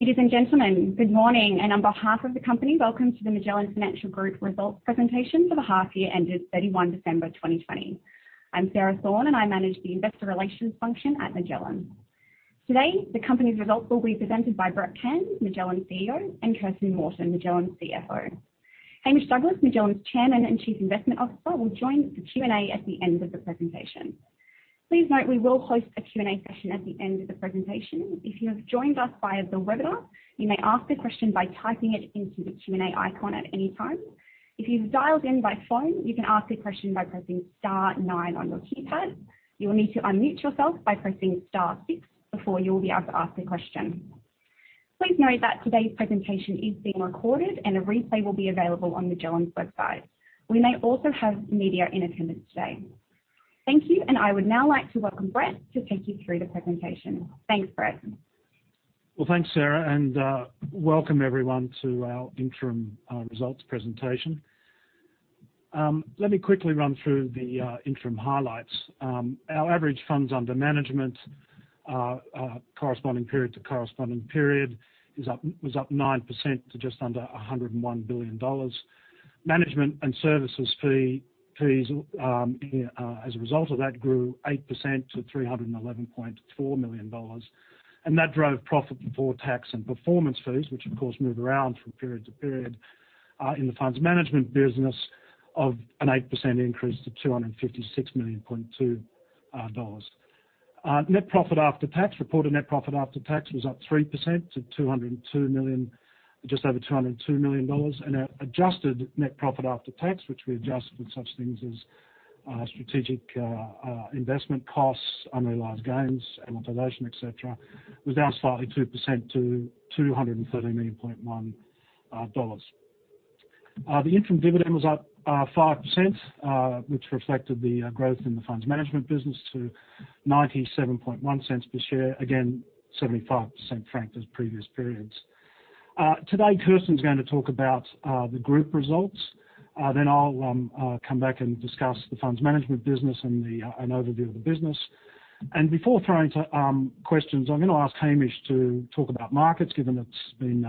Ladies and gentlemen, good morning, and on behalf of the company, welcome to the Magellan Financial Group results presentation for the half year ended 31 December 2020. I'm Sarah Thorne, and I manage the investor relations function at Magellan. Today, the company's results will be presented by Brett Cairns, Magellan's CEO, and Kirsten Morton, Magellan's CFO. Hamish Douglass, Magellan's Chairman and Chief Investment Officer, will join the Q&A at the end of the presentation. Please note, we will host a Q&A session at the end of the presentation. If you have joined us via the webinar, you may ask a question by typing it into the Q&A icon at any time. Please note that today's presentation is being recorded, and a replay will be available on Magellan's website. We may also have media in attendance today. Thank you, and I would now like to welcome Brett to take you through the presentation. Thanks, Brett. Well, thanks, Sarah, and welcome everyone to our interim results presentation. Let me quickly run through the interim highlights. Our average funds under management, corresponding period to corresponding period, was up 9% to just under 101 billion dollars. Management and services fees, as a result of that, grew 8% to 311.4 million dollars. That drove profit before tax and performance fees, which of course, move around from period to period, in the funds management business of an 8% increase to 256.2 million. Net profit after tax, reported net profit after tax was up 3% to just over 202 million dollars. Our adjusted net profit after tax, which we adjust with such things as strategic investment costs, unrealized gains, amortization, et cetera, was down slightly 2% to 207.1 million. The interim dividend was up 5%, which reflected the growth in the funds management business to 0.971 per share. 75% franked as previous periods. Kirsten's going to talk about the group results. I'll come back and discuss the funds management business and an overview of the business. Before throwing to questions, I'm going to ask Hamish to talk about markets, given it's been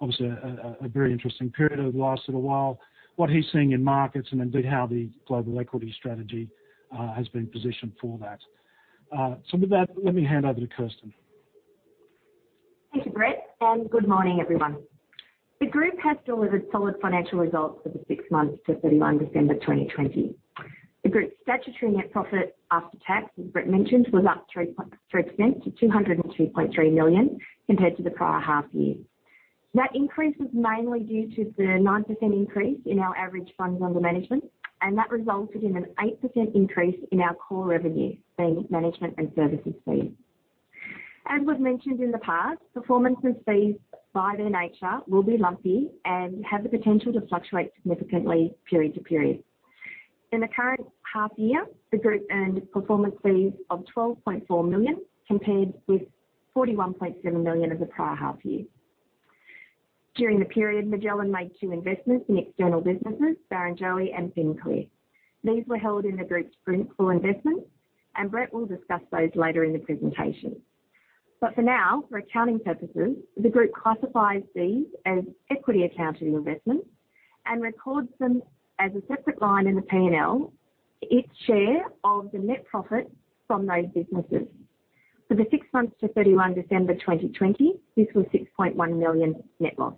obviously a very interesting period over the last little while, what he's seeing in markets, and indeed how the global equity strategy has been positioned for that. With that, let me hand over to Kirsten. Thank you, Brett. Good morning, everyone. The group has delivered solid financial results for the six months to 31 December 2020. The group's statutory net profit after tax, as Brett mentioned, was up 3% to 202.3 million compared to the prior half year. That increase was mainly due to the 9% increase in our average funds under management, and that resulted in an 8% increase in our core revenue, being management and services fees. As was mentioned in the past, performance and fees by their nature will be lumpy and have the potential to fluctuate significantly period to period. In the current half year, the group earned performance fees of 12.4 million, compared with 41.7 million of the prior half year. During the period, Magellan made two investments in external businesses, Barrenjoey and FinClear. These were held in the group's principal investments. Brett will discuss those later in the presentation. For now, for accounting purposes, the group classifies these as equity accounting investments and records them as a separate line in the P&L, its share of the net profit from those businesses. For the six months to 31 December 2020, this was 6.1 million net loss.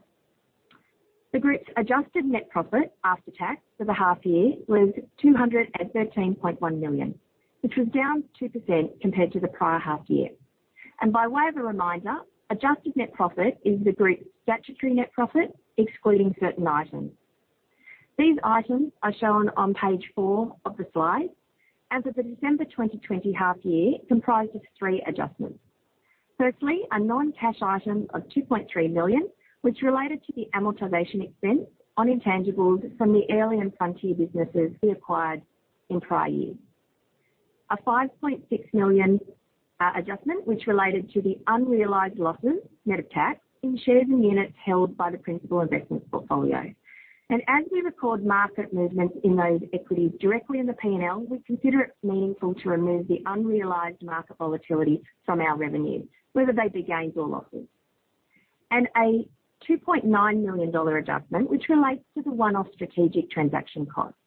The group's adjusted net profit after tax for the half year was 213.1 million, which was down 2% compared to the prior half year. By way of a reminder, adjusted net profit is the group's statutory net profit excluding certain items. These items are shown on page four of the slides, and for the December 2020 half year, comprised of three adjustments. Firstly, a non-cash item of 2.3 million, which related to the amortization expense on intangibles from the Airlie and Frontier businesses we acquired in prior years. 5.6 million adjustment, which related to the unrealized losses net of tax in shares and units held by the principal investment portfolio. As we record market movements in those equities directly in the P&L, we consider it meaningful to remove the unrealized market volatility from our revenues, whether they be gains or losses. A 2.9 million dollar adjustment, which relates to the one-off strategic transaction costs.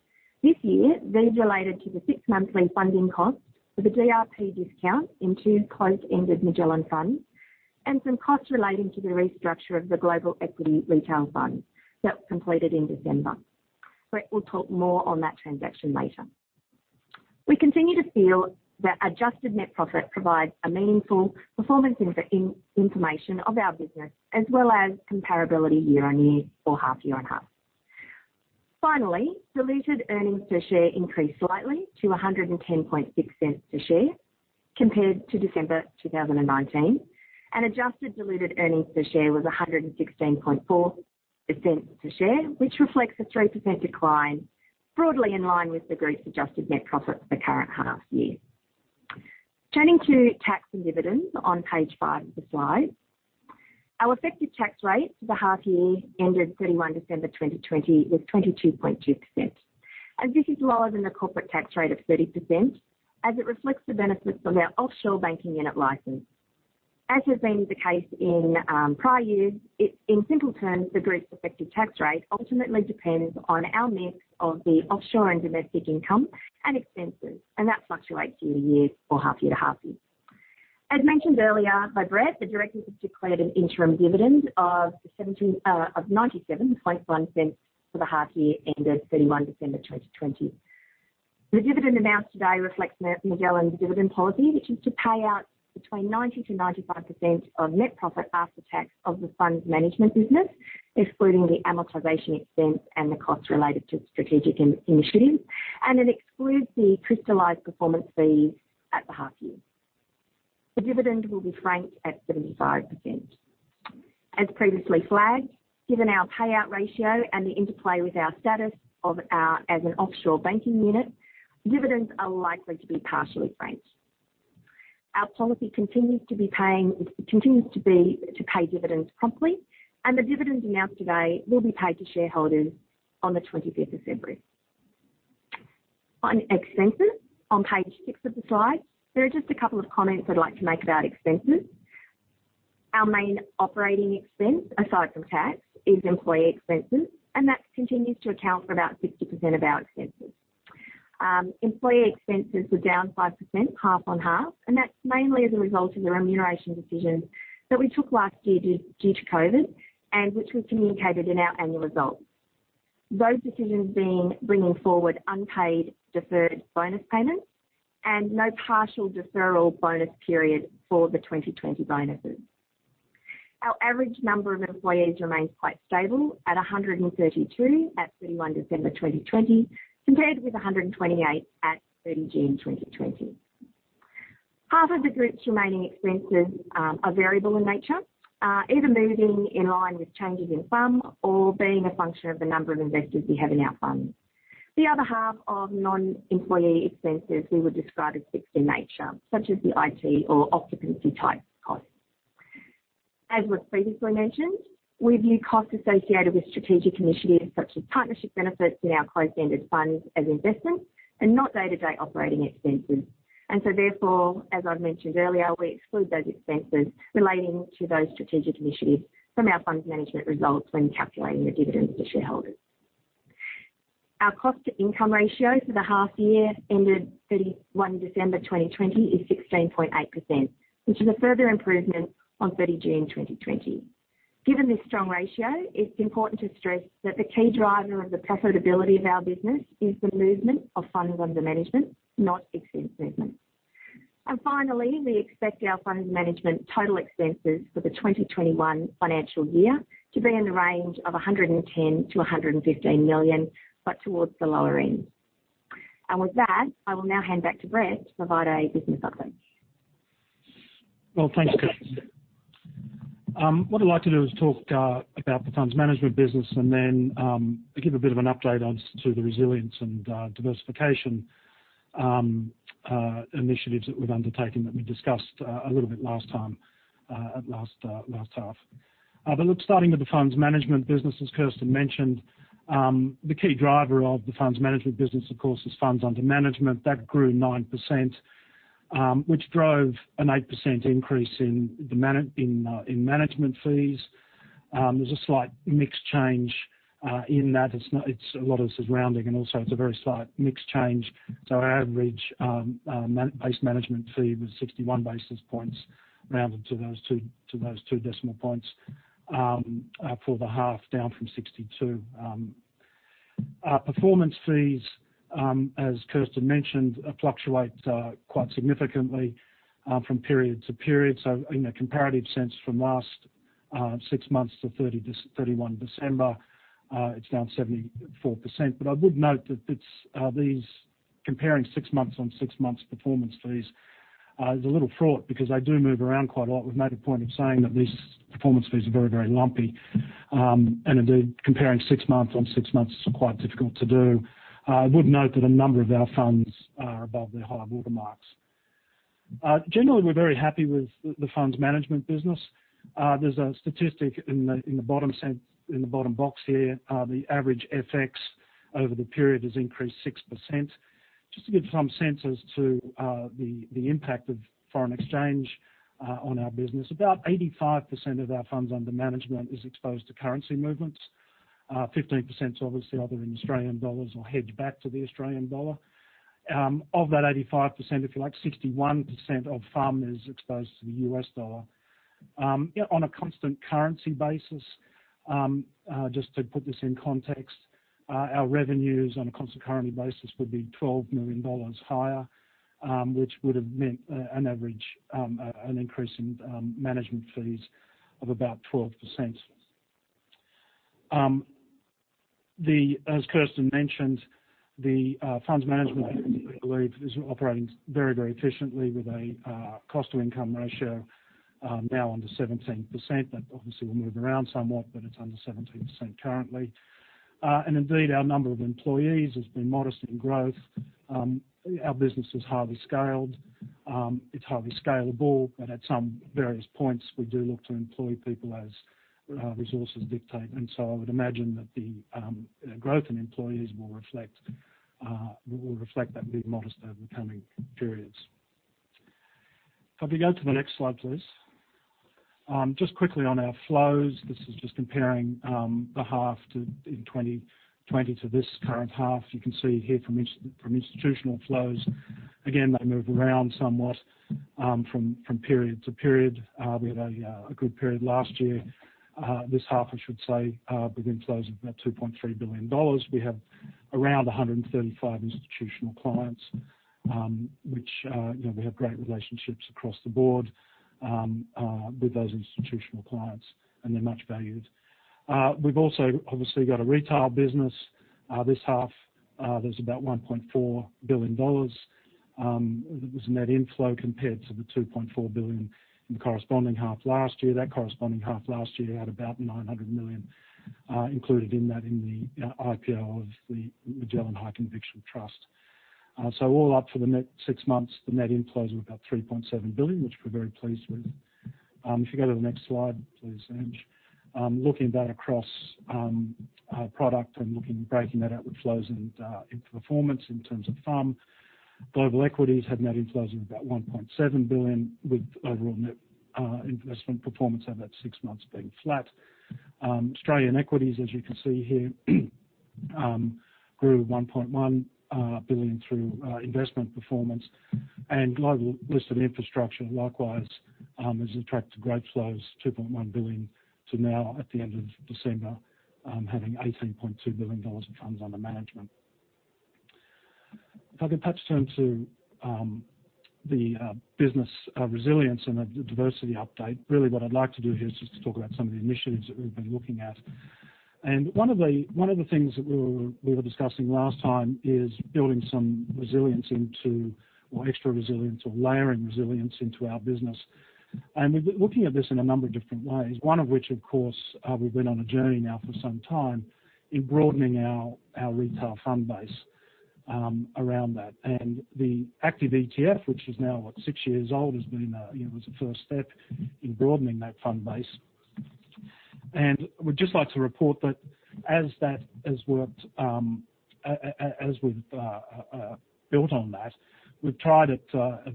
This year, these related to the six-monthly funding costs for the DRP discount in two closed-ended Magellan funds and some costs relating to the restructure of the global equity retail fund that was completed in December. Brett will talk more on that transaction later. We continue to feel that adjusted net profit provides a meaningful performance information of our business, as well as comparability year-on-year or half-year-on-half. Finally, diluted earnings per share increased slightly to 110.6 per share compared to December 2019. Adjusted diluted earnings per share was 116.4 per share, which reflects a 3% decline, broadly in line with the group's adjusted net profit for the current half year. Turning to tax and dividends on page five of the slides. Our effective tax rate for the half year ended 31 December 2020 was 22.2%. And this is lower than the corporate tax rate of 30%, as it reflects the benefits from our offshore banking unit license. As has been the case in prior years, in simple terms, the group's effective tax rate ultimately depends on our mix of the offshore and domestic income and expenses, and that fluctuates year-to-year or half-year-to-half-year. As mentioned earlier by Brett, the directors have declared an interim dividend of 97.1 for the half year ended 31 December 2020. The dividend announced today reflects Magellan's dividend policy, which is to pay out between 90%-95% of net profit after tax of the funds management business, excluding the amortization expense and the costs related to strategic initiatives, and it excludes the crystallized performance fees at the half year. The dividend will be franked at 75%. As previously flagged, given our payout ratio and the interplay with our status as an offshore banking unit, dividends are likely to be partially franked. Our policy continues to pay dividends promptly, and the dividend announced today will be paid to shareholders on the 25th of February. On expenses, on page six of the slides, there are just a couple of comments I'd like to make about expenses. Our main operating expense, aside from tax, is employee expenses, and that continues to account for about 60% of our expenses. Employee expenses were down 5% half on half, and that's mainly as a result of the remuneration decisions that we took last year due to COVID, and which was communicated in our annual results. Those decisions being bringing forward unpaid deferred bonus payments and no partial deferral bonus period for the 2020 bonuses. Our average number of employees remains quite stable at 132 at 31 December 2020, compared with 128 at 30 June 2020. Half of the group's remaining expenses are variable in nature, either moving in line with changes in FUM or being a function of the number of investors we have in our funds. The other half of non-employee expenses we would describe as fixed in nature, such as the IT or occupancy-type costs. As was previously mentioned, we view costs associated with strategic initiatives such as partnership benefits in our closed-ended funds as investments and not day-to-day operating expenses. Therefore, as I've mentioned earlier, we exclude those expenses relating to those strategic initiatives from our funds management results when calculating the dividends to shareholders. Our cost-to-income ratio for the half year ended 31 December 2020 is 16.8%, which is a further improvement on 30 June 2020. Given this strong ratio, it's important to stress that the key driver of the profitability of our business is the movement of funds under management, not expense movement. Finally, we expect our funds management total expenses for the 2021 financial year to be in the range of 110 million-115 million, but towards the lower end. With that, I will now hand back to Brett to provide a business update. Well, thanks, Kirsten. What I'd like to do is talk about the funds management business and then give a bit of an update as to the resilience and diversification initiatives that we've undertaken that we discussed a little bit last time at last half. Starting with the funds management business, as Kirsten mentioned, the key driver of the funds management business, of course, is funds under management. That grew 9%, which drove an 8% increase in management fees. There's a slight mix change in that. It's a lot of surrounding and also it's a very slight mix change. Our average base management fee was 61 basis points, rounded to those 2 decimal points, for the half down from 62. Our performance fees, as Kirsten mentioned, fluctuate quite significantly from period to period. In a comparative sense from last six months to 31 December, it's down 74%. I would note that comparing six-month-on-six-month performance fees is a little fraught because they do move around quite a lot. We've made a point of saying that these performance fees are very, very lumpy, and indeed, comparing six-month-on-six-month is quite difficult to do. I would note that a number of our funds are above their high water marks. Generally, we're very happy with the funds management business. There's a statistic in the bottom box here. The average FX over the period has increased 6%. Just to give some sense as to the impact of foreign exchange on our business. About 85% of our funds under management is exposed to currency movements. 15% is obviously either in Australian dollars or hedged back to the Australian dollar. Of that 85%, if you like, 61% of FUM is exposed to the U.S. dollar. On a constant currency basis, just to put this in context, our revenues on a constant currency basis would be 12 million dollars higher, which would have meant an increase in management fees of about 12%. As Kirsten mentioned, the funds management, I believe, is operating very, very efficiently with a cost-to-income ratio now under 17%. That obviously will move around somewhat, but it's under 17% currently. Indeed, our number of employees has been modest in growth. Our business is hardly scaled. It's hardly scalable, at some various points, we do look to employ people as resources dictate. I would imagine that the growth in employees will reflect that and be modest over the coming periods. If we go to the next slide, please. Just quickly on our flows, this is just comparing the half in 2020 to this current half. You can see here from institutional flows, again, they move around somewhat from period to period. We had a good period last year. This half, I should say, within flows of about 2.3 billion dollars. We have around 135 institutional clients, which we have great relationships across the board with those institutional clients, and they're much valued. We've also obviously got a retail business. This half, there's about 1.4 billion dollars. That was a net inflow compared to the 2.4 billion in the corresponding half last year. That corresponding half last year had about 900 million included in that in the IPO of the Magellan High Conviction Trust. All up for the net six months, the net inflows were about 3.7 billion, which we're very pleased with. If you go to the next slide, please, Ange. Looking at that across our product and breaking that outward flows and performance in terms of FUM. Global equities had net inflows of about 1.7 billion, with overall net investment performance over that six months being flat. Australian equities, as you can see here, grew 1.1 billion through investment performance. Global listed infrastructure, likewise, has attracted great flows, 2.1 billion, to now at the end of December, having 18.2 billion dollars of funds under management. Really what I'd like to do here is just to talk about some of the initiatives that we've been looking at. One of the things that we were discussing last time is building some resilience into or extra resilience or layering resilience into our business. We've been looking at this in a number of different ways, one of which, of course, we've been on a journey now for some time in broadening our retail fund base around that. The active ETF, which is now what, six years old, was the first step in broadening that fund base. We'd just like to report that as we've built on that, we've tried at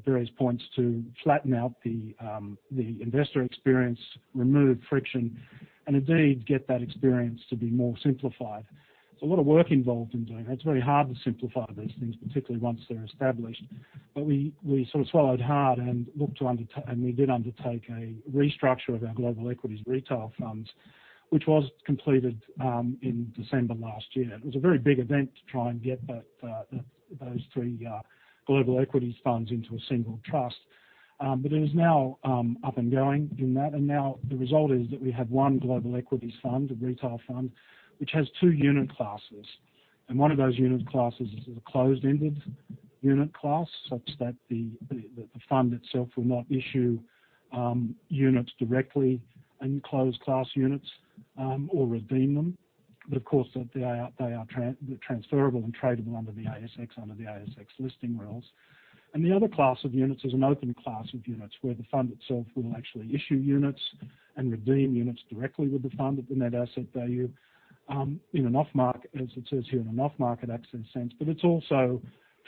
various points to flatten out the investor experience, remove friction, and indeed, get that experience to be more simplified. There's a lot of work involved in doing that. It's very hard to simplify these things, particularly once they're established. We swallowed hard and we did undertake a restructure of our global equities retail funds, which was completed in December last year. It was a very big event to try and get those three global equities funds into a single trust. It is now up and going in that. Now the result is that we have one global equities fund, a retail fund, which has two unit classes. One of those unit classes is a closed-ended unit class, such that the fund itself will not issue units directly in closed class units or redeem them. Of course, they are transferable and tradable under the ASX listing rules. The other class of units is an open class of units, where the fund itself will actually issue units and redeem units directly with the fund at the net asset value in an off-market, as it says here, in an off-market access sense. It's also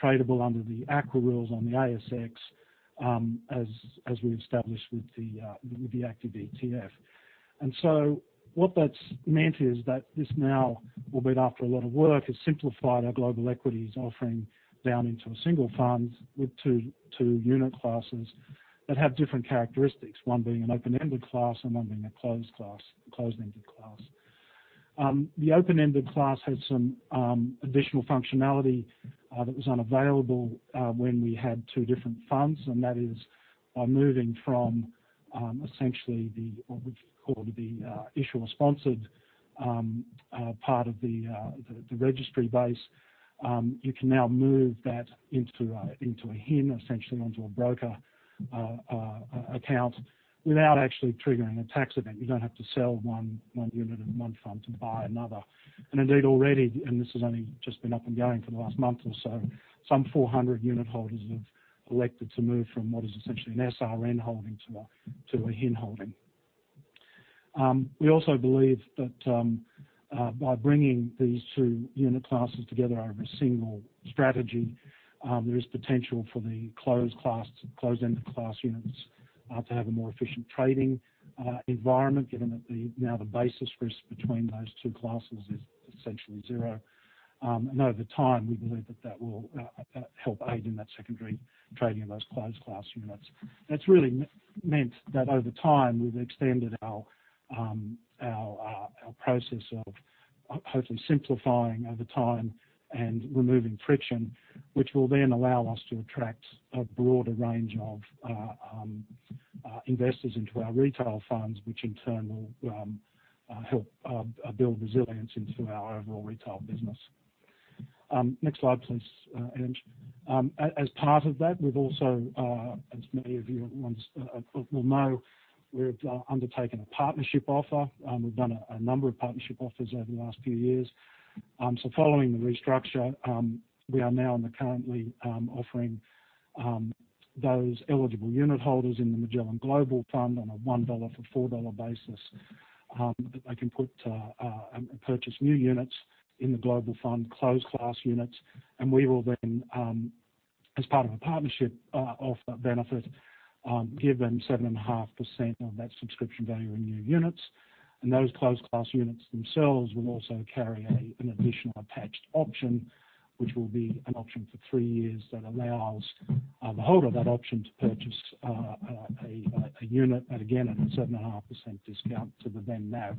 tradable under the AQUA rules on the ASX, as we've established with the active ETF. What that's meant is that this now, albeit after a lot of work, has simplified our global equities offering down into a single fund with two unit classes that have different characteristics, one being an open-ended class and being a closed-ended class. The open-ended class had some additional functionality that was unavailable when we had two different funds, and that is moving from essentially what we call the issuer-sponsored part of the registry base. You can now move that into a HIN, essentially onto a broker account, without actually triggering a tax event. You don't have to sell one unit in one fund to buy another. Indeed, already, and this has only just been up and going for the last month or so, some 400 unit holders have elected to move from what is essentially an SRN holding to a HIN holding. We also believe that by bringing these two unit classes together over a single strategy, there is potential for the closed-ended class units to have a more efficient trading environment, given that now the basis risk between those two classes is essentially zero. Over time, we believe that that will help aid in that secondary trading of those closed class units. That's really meant that over time, we've extended our process of hopefully simplifying over time and removing friction, which will then allow us to attract a broader range of investors into our retail funds, which in turn will help build resilience into our overall retail business. Next slide, please, Ange. As part of that, we've also, as many of you will know, we've undertaken a partnership offer. We've done a number of partnership offers over the last few years. Following the restructure, we are now currently offering those eligible unit holders in the Magellan Global Fund on a one for four basis that they can put and purchase new units in the Global Fund closed-class units. We will then, as part of a partnership offer benefit, give them 7.5% of that subscription value in new units, and those closed-class units themselves will also carry an additional attached option, which will be an option for three years that allows the holder of that option to purchase a unit at, again, a 7.5% discount to the then NAV.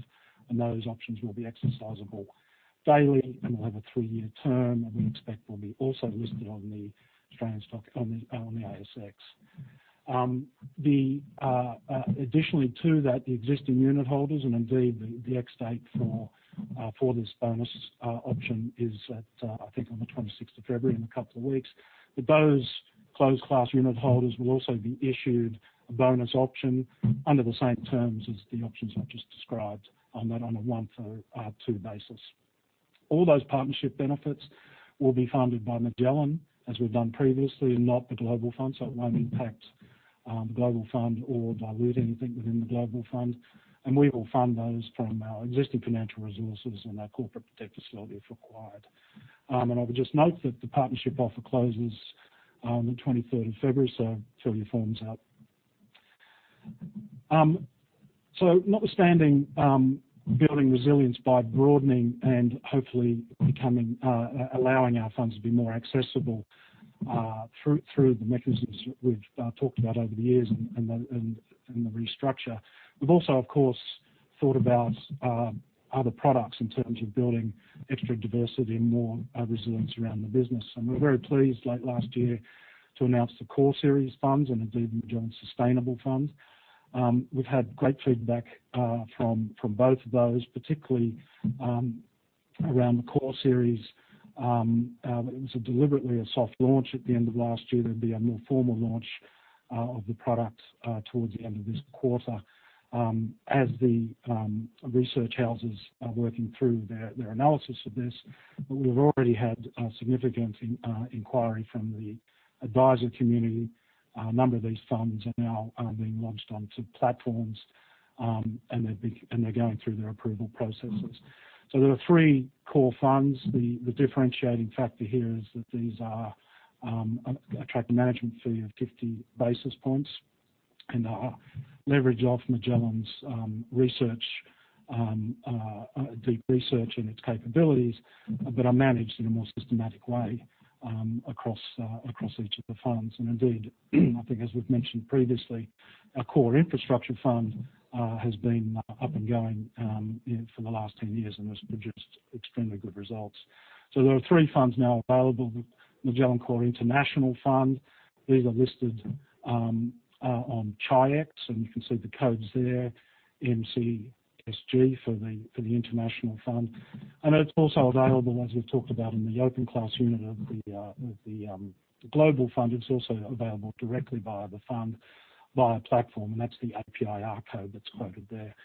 Those options will be exercisable daily and will have a three-year term, and we expect will be also listed on the ASX. Additionally to that, the existing unitholders, and indeed, the ex-date for this bonus option is at, I think on the 26th of February, in a couple of weeks. Those closed class unitholders will also be issued a bonus option under the same terms as the options I've just described on that on a one for two basis. All those partnership benefits will be funded by Magellan, as we've done previously, and not the Global Fund, so it won't impact the Global Fund or dilute anything within the Global Fund. We will fund those from our existing financial resources and our corporate debt facility, if required. I would just note that the partnership offer closes on the 23rd of February, so fill your forms out. Notwithstanding building resilience by broadening and hopefully allowing our funds to be more accessible, through the mechanisms that we've talked about over the years and the restructure. We've also, of course, thought about other products in terms of building extra diversity and more resilience around the business. We're very pleased late last year to announce the Core Series funds and indeed, the Magellan Sustainable Fund. We've had great feedback from both of those, particularly around the Core Series. It was deliberately a soft launch at the end of last year. There'll be a more formal launch of the product towards the end of this quarter. As the research houses are working through their analysis of this, but we've already had significant inquiry from the advisor community. A number of these funds are now being launched onto platforms, and they're going through their approval processes. There are three core funds. The differentiating factor here is that these attract a management fee of 50 basis points and are leverage off Magellan's deep research and its capabilities, but are managed in a more systematic way across each of the funds. Indeed, I think as we've mentioned previously, a Core Infrastructure Fund has been up and going for the last 10 years and has produced extremely good results. There are three funds now available, the Magellan Core International Fund. These are listed on Chi-X, and you can see the codes there, MCSG for the International Fund. It's also available, as we've talked about, in the open class unit of the Global Fund. It's also available directly via the fund, via platform, and that's the APIR code that's quoted there.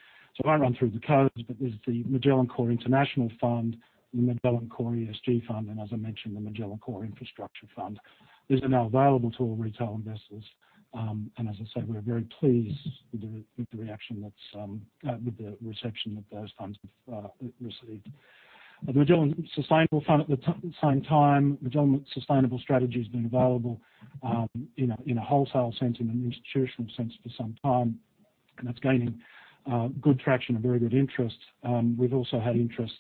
I won't run through the codes, but there's the Magellan Core International Fund, the Magellan Core ESG Fund, and as I mentioned, the Magellan Core Infrastructure Fund. These are now available to all retail investors. As I said, we're very pleased with the reception that those funds have received. The Magellan Sustainable Fund at the same time, Magellan Sustainable Strategy's been available in a wholesale sense, in an institutional sense for some time, and that's gaining good traction and very good interest. We've also had interest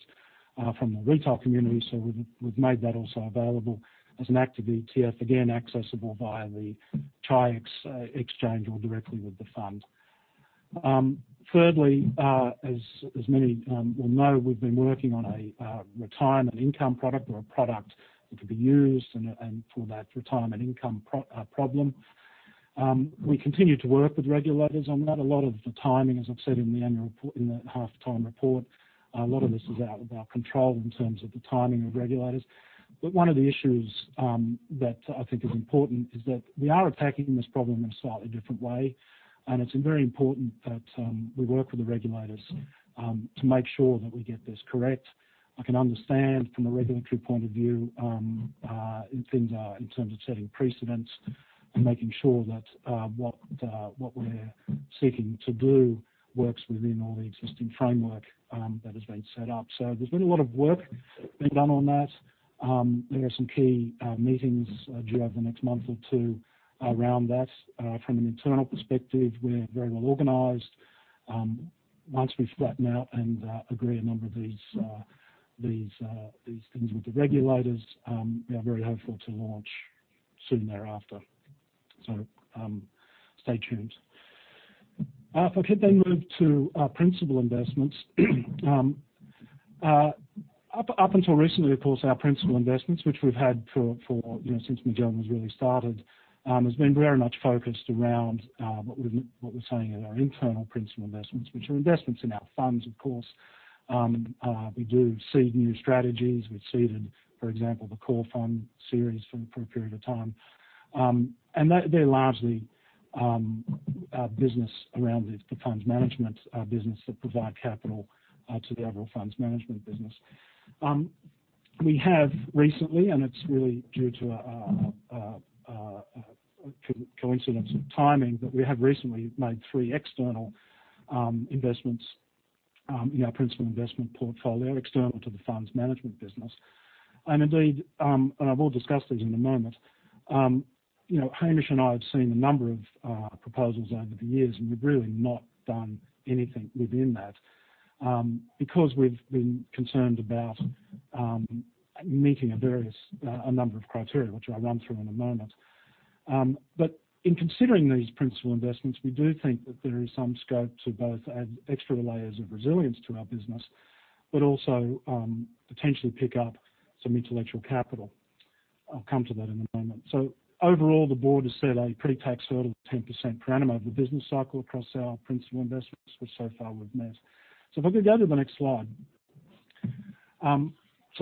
from the retail community, so we've made that also available as an active ETF, again, accessible via the Chi-X exchange or directly with the fund. Thirdly, as many will know, we've been working on a retirement income product or a product that can be used and for that retirement income problem. We continue to work with regulators on that. A lot of the timing, as I've said in the half-time report, a lot of this is out of our control in terms of the timing of regulators. One of the issues that I think is important is that we are attacking this problem in a slightly different way, and it's very important that we work with the regulators to make sure that we get this correct. I can understand from a regulatory point of view, in terms of setting precedents and making sure that what we're seeking to do works within all the existing framework that has been set up. There's been a lot of work being done on that. There are some key meetings due over the next month or two around that. From an internal perspective, we're very well organized. Once we flatten out and agree a number of these things with the regulators, we are very hopeful to launch soon thereafter. Stay tuned. If I could move to our principal investments. Up until recently, of course, our principal investments, which we've had since Magellan has really started, has been very much focused around what we're saying are our internal principal investments, which are investments in our funds, of course. We do seed new strategies. We've seeded, for example, the Core Fund Series for a period of time. They're largely a business around the fund's management business that provide capital to the overall fund's management business. We have recently, and it's really due to a coincidence of timing, but we have recently made three external investments in our principal investment portfolio, external to the funds management business. Indeed, and I will discuss these in a moment. Hamish and I have seen a number of proposals over the years. We've really not done anything within that, because we've been concerned about meeting a number of criteria, which I'll run through in a moment. In considering these principal investments, we do think that there is some scope to both add extra layers of resilience to our business, but also potentially pick up some intellectual capital. I'll come to that in a moment. Overall, the board has set a pre-tax hurdle of 10% per annum over the business cycle across our principal investments, which so far we've missed. If we could go to the next slide.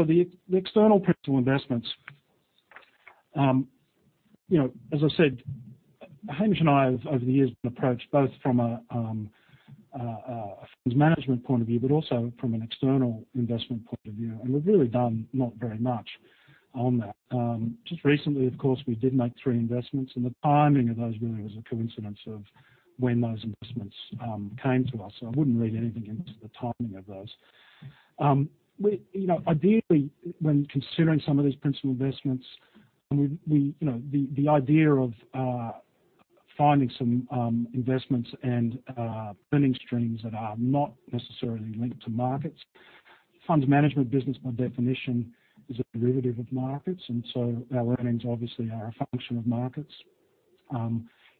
The external principal investments. As I said, Hamish and I have, over the years, been approached both from a funds management point of view but also from an external investment point of view, and we've really done not very much on that. Just recently, of course, we did make three investments, and the timing of those really was a coincidence of when those investments came to us. I wouldn't read anything into the timing of those. Ideally, when considering some of these principal investments and the idea of finding some investments and earning streams that are not necessarily linked to markets. Funds management business, by definition, is a derivative of markets. Our earnings obviously are a function of markets.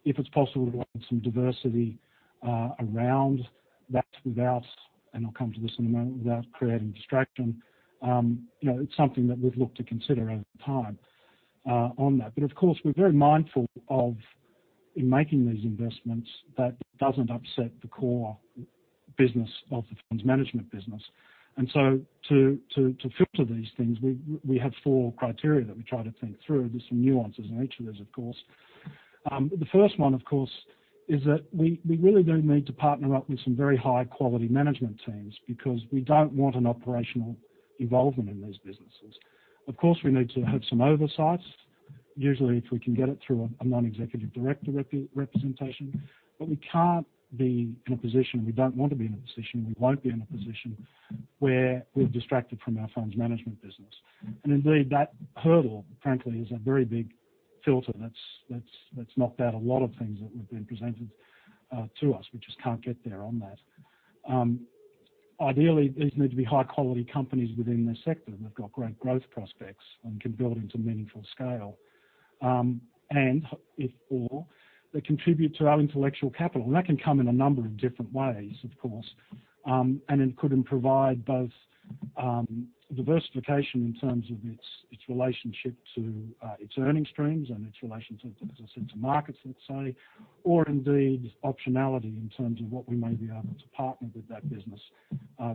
If it's possible to add some diversity around that without, and I'll come to this in a moment, without creating distraction, it's something that we've looked to consider over time on that. Of course, we're very mindful of, in making these investments, that it doesn't upset the core business of the funds management business. To filter these things, we have four criteria that we try to think through. There's some nuances in each of these, of course. The first one, of course, is that we really do need to partner up with some very high-quality management teams because we don't want an operational involvement in these businesses. Of course, we need to have some oversight. Usually, if we can get it through a non-executive director representation. We can't be in a position, we don't want to be in a position, we won't be in a position where we're distracted from our funds management business. Indeed, that hurdle, frankly, is a very big filter that's knocked out a lot of things that have been presented to us. We just can't get there on that. Ideally, these need to be high-quality companies within their sector, and they've got great growth prospects and can build into meaningful scale. If all, they contribute to our intellectual capital, and that can come in a number of different ways, of course, and it could provide both diversification in terms of its relationship to its earning streams and its relation to, as I said, to markets, let's say, or indeed optionality in terms of what we may be able to partner with that business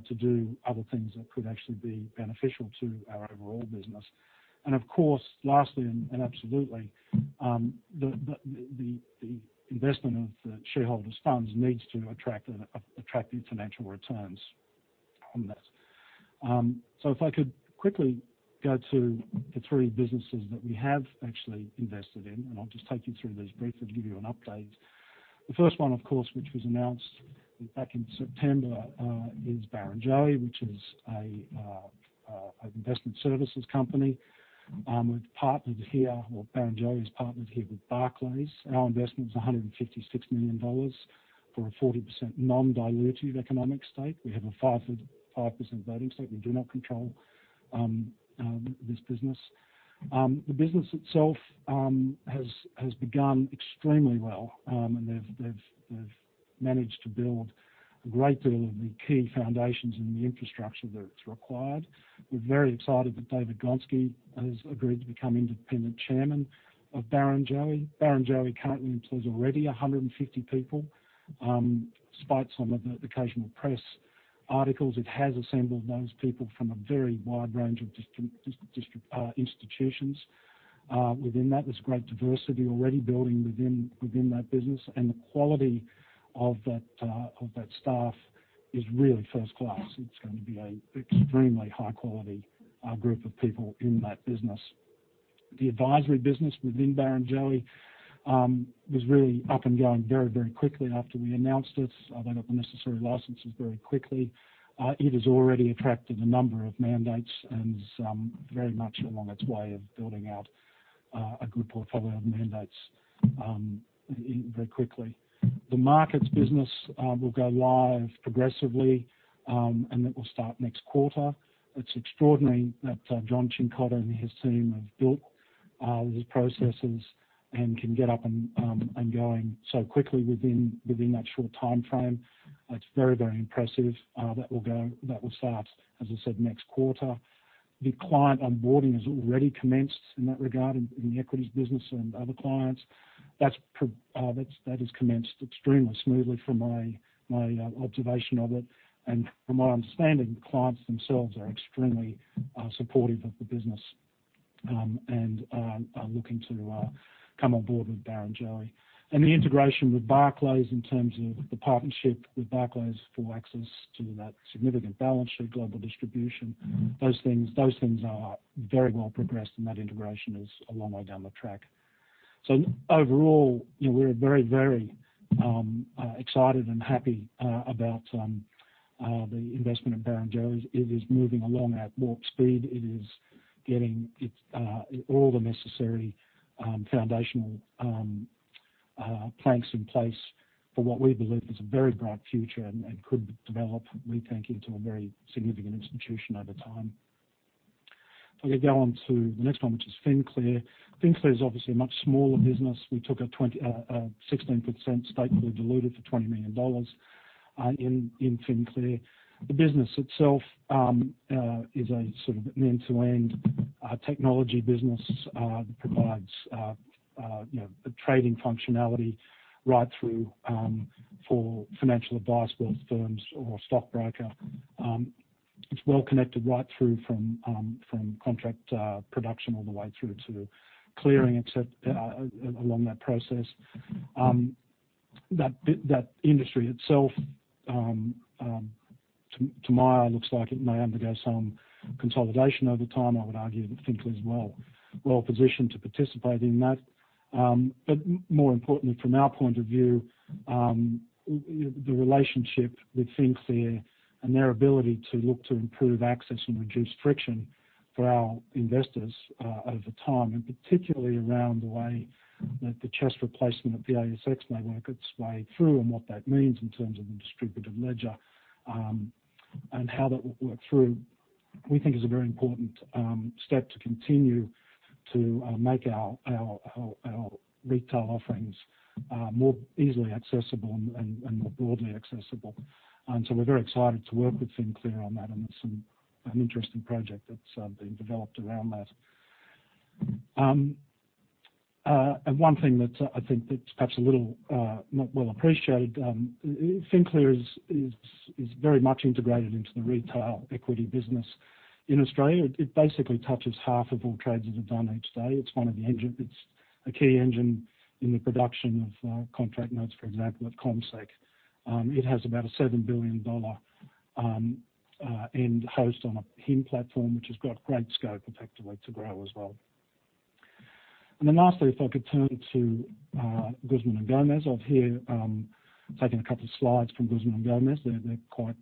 to do other things that could actually be beneficial to our overall business. Of course, lastly, and absolutely, the investment of the shareholders' funds needs to attract financial returns on that. If I could quickly go to the three businesses that we have actually invested in, and I'll just take you through these briefly to give you an update. The first one, of course, which was announced back in September, is Barrenjoey, which is an investment services company. We've partnered here, or Barrenjoey has partnered here with Barclays. Our investment was 156 million dollars for a 40% non-dilutive economic stake. We have a 5% voting stake. We do not control this business. The business itself has begun extremely well, and they've managed to build a great deal of the key foundations and the infrastructure that it's required. We're very excited that David Gonski has agreed to become Independent Chairman of Barrenjoey. Barrenjoey currently employs already 150 people. Despite some of the occasional press articles, it has assembled those people from a very wide range of institutions. Within that, there's great diversity already building within that business, and the quality of that staff is really first class. It's going to be an extremely high-quality group of people in that business. The advisory business within Barrenjoey was really up and going very quickly after we announced it. They got the necessary licenses very quickly. It has already attracted a number of mandates and is very much along its way of building out a good portfolio of mandates very quickly. The markets business will go live progressively, and it will start next quarter. It's extraordinary that John Cincotta and his team have built these processes and can get up and going so quickly within that short timeframe. It's very impressive. That will start, as I said, next quarter. The client onboarding has already commenced in that regard in the equities business and other clients. That has commenced extremely smoothly from my observation of it. From my understanding, clients themselves are extremely supportive of the business and are looking to come on board with Barrenjoey. The integration with Barclays in terms of the partnership with Barclays for access to that significant balance sheet, global distribution, those things are very well progressed, and that integration is a long way down the track. Overall, we're very excited and happy about the investment in Barrenjoey. It is moving along at warp speed. It is getting all the necessary foundational planks in place for what we believe is a very bright future and could develop, we think, into a very significant institution over time. If I could go on to the next one, which is FinClear. FinClear is obviously a much smaller business. We took a 16% stake, fully diluted for 20 million dollars in FinClear. The business itself is a sort of an end-to-end technology business that provides a trading functionality right through for financial advice, both firms or stockbroker. It's well-connected right through from contract production all the way through to clearing, except along that process. That industry itself, to my eye, looks like it may undergo some consolidation over time. I would argue that FinClear is well positioned to participate in that. More importantly, from our point of view, the relationship with FinClear and their ability to look to improve access and reduce friction for our investors over time, and particularly around the way that the CHESS replacement of the ASX may work its way through and what that means in terms of the distributed ledger, and how that will work through, we think is a very important step to continue to make our retail offerings more easily accessible and more broadly accessible. We're very excited to work with FinClear on that, and it's an interesting project that's being developed around that. One thing that I think that's perhaps a little not well appreciated, FinClear is very much integrated into the retail equity business in Australia. It basically touches half of all trades that are done each day. It's a key engine in the production of contract notes, for example, at CommSec. It has about an 7 billion dollar end host on a HIN platform, which has got great scope effectively to grow as well. Lastly, if I could turn to Guzman y Gomez. I've here taken a couple of slides from Guzman y Gomez. They're quite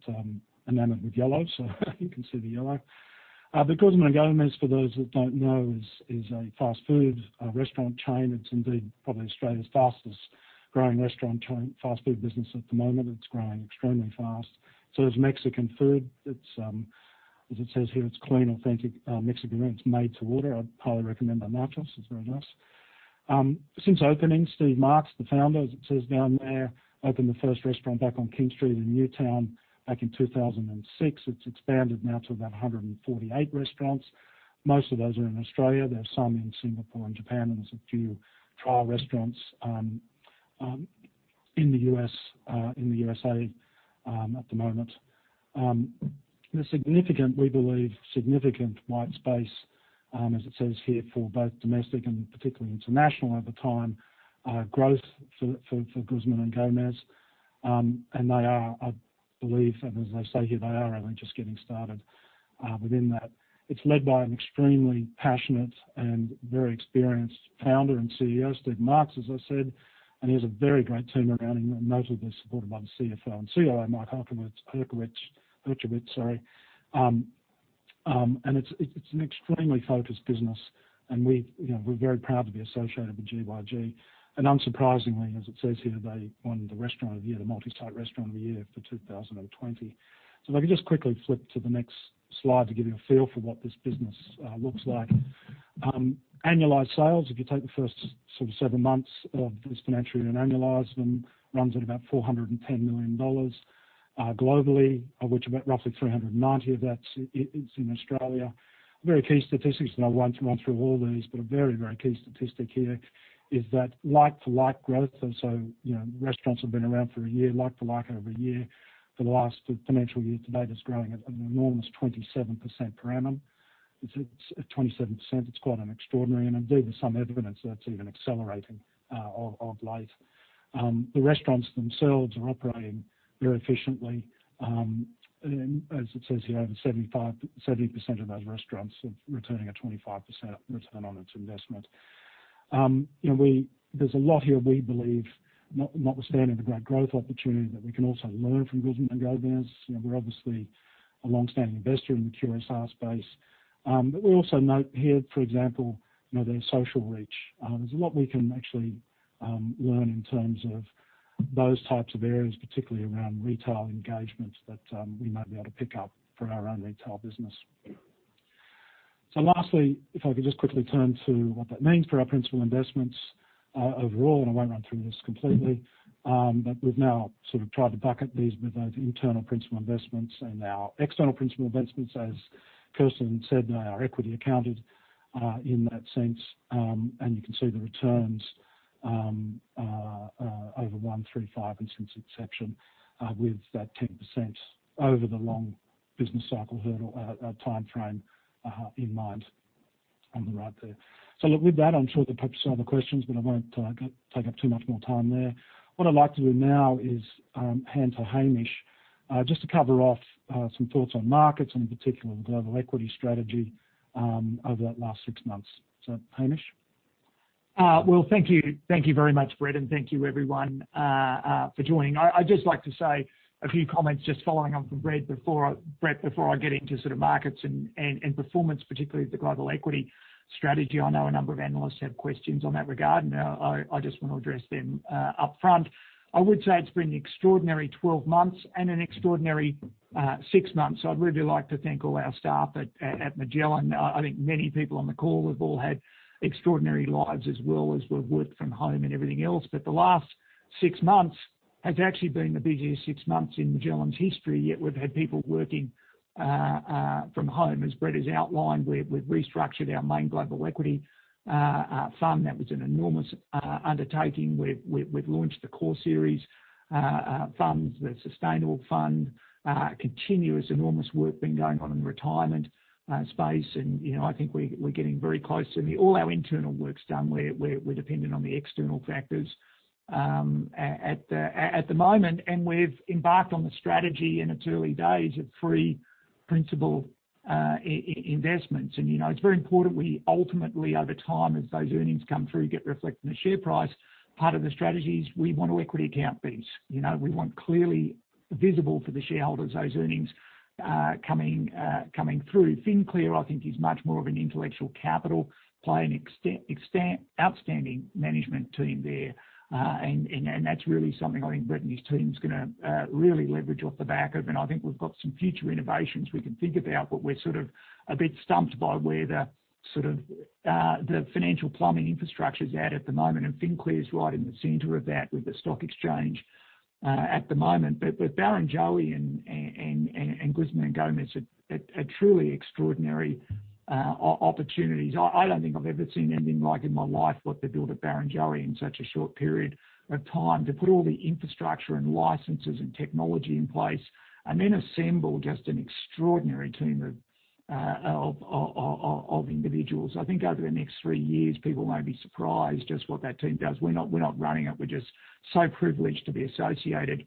enamored with yellow, so you can see the yellow. Guzman y Gomez, for those that don't know, is a fast food restaurant chain. It's indeed probably Australia's fastest-growing restaurant chain, fast food business at the moment. It's growing extremely fast. It's Mexican food. As it says here, it's clean, authentic Mexican food. It's made to order. I'd highly recommend their nachos. It's very nice. Since opening, Steven Marks, the founder, as it says down there, opened the first restaurant back on King Street in Newtown back in 2006. It's expanded now to about 148 restaurants. Most of those are in Australia. There are some in Singapore and Japan, and there's a few trial restaurants in the USA at the moment. There's significant, we believe, significant white space, as it says here, for both domestic and particularly international over time, growth for Guzman y Gomez, and they are, I believe, and as they say here, they are only just getting started within that. It's led by an extremely passionate and very experienced founder and CEO, Steven Marks, as I said, and he has a very great team around him, notably supported by the CFO and COO, Mike Hirschowitz. It's an extremely focused business, and we're very proud to be associated with GYG. Unsurprisingly, as it says here, they won the restaurant of the year, the multisite restaurant of the year for 2020. If I could just quickly flip to the next slide to give you a feel for what this business looks like. Annualized sales, if you take the first sort of seven months of this financial year and annualize them, runs at about 410 million dollars globally, of which about roughly 390 million of that is in Australia. Very key statistics, and I won't run through all these, but a very key statistic here is that like-to-like growth, and so restaurants have been around for a year, like-to-like over year for the last financial year to date is growing at an enormous 27% per annum. It's at 27%, it's quite an extraordinary, and indeed, there's some evidence that it's even accelerating of late. The restaurants themselves are operating very efficiently. As it says here, over 70% of those restaurants are returning a 25% return on its investment. There's a lot here we believe, notwithstanding the great growth opportunity that we can also learn from Guzman y Gomez. We're obviously a longstanding investor in the QSR space. We also note here, for example, their social reach. There's a lot we can actually learn in terms of those types of areas, particularly around retail engagement that we might be able to pick up for our own retail business. Lastly, if I could just quickly turn to what that means for our principal investments overall, and I won't run through this completely, but we've now sort of tried to bucket these with those internal principal investments and our external principal investments, as Kirsten said, they are equity accounted, in that sense. You can see the returns over one, three, five, and since inception, with that 10% over the long business cycle hurdle, timeframe in mind on the right there. Look, with that, I'm sure there are perhaps other questions, but I won't take up too much more time there. What I'd like to do now is hand to Hamish. Just to cover off some thoughts on markets, and in particular, the global equity strategy over that last six months. Hamish? Well, thank you. Thank you very much, Brett, and thank you everyone for joining. I'd just like to say a few comments just following on from Brett before I get into sort of markets and performance, particularly of the global equity strategy. I know a number of analysts have questions on that regard, and I just want to address them upfront. I would say it's been an extraordinary 12 months and an extraordinary six months. I'd really like to thank all our staff at Magellan. I think many people on the call have all had extraordinary lives as well as we've worked from home and everything else. The last six months has actually been the busiest six months in Magellan's history, yet we've had people working from home. As Brett has outlined, we've restructured our main global equity firm. That was an enormous undertaking. We've launched the Core Series funds, the Sustainable Fund, continuous enormous work been going on in retirement space and I think we're getting very close. All our internal work's done. We're dependent on the external factors at the moment, and we've embarked on the strategy in its early days of three principal investments. It's very important we ultimately, over time, as those earnings come through, get reflected in the share price. Part of the strategy is we want to equity account these. We want clearly visible for the shareholders, those earnings coming through. FinClear, I think, is much more of an intellectual capital play, an outstanding management team there. That's really something I think Brett and his team's going to really leverage off the back of. I think we've got some future innovations we can think about, but we're sort of a bit stumped by where the financial plumbing infrastructure's at the moment. FinClear's right in the center of that with the stock exchange at the moment. Barrenjoey and Guzman y Gomez are truly extraordinary opportunities. I don't think I've ever seen anything like in my life like the build at Barrenjoey in such a short period of time. To put all the infrastructure and licenses and technology in place, then assemble just an extraordinary team of individuals. I think over the next three years, people may be surprised just what that team does. We're not running it. We're just so privileged to be associated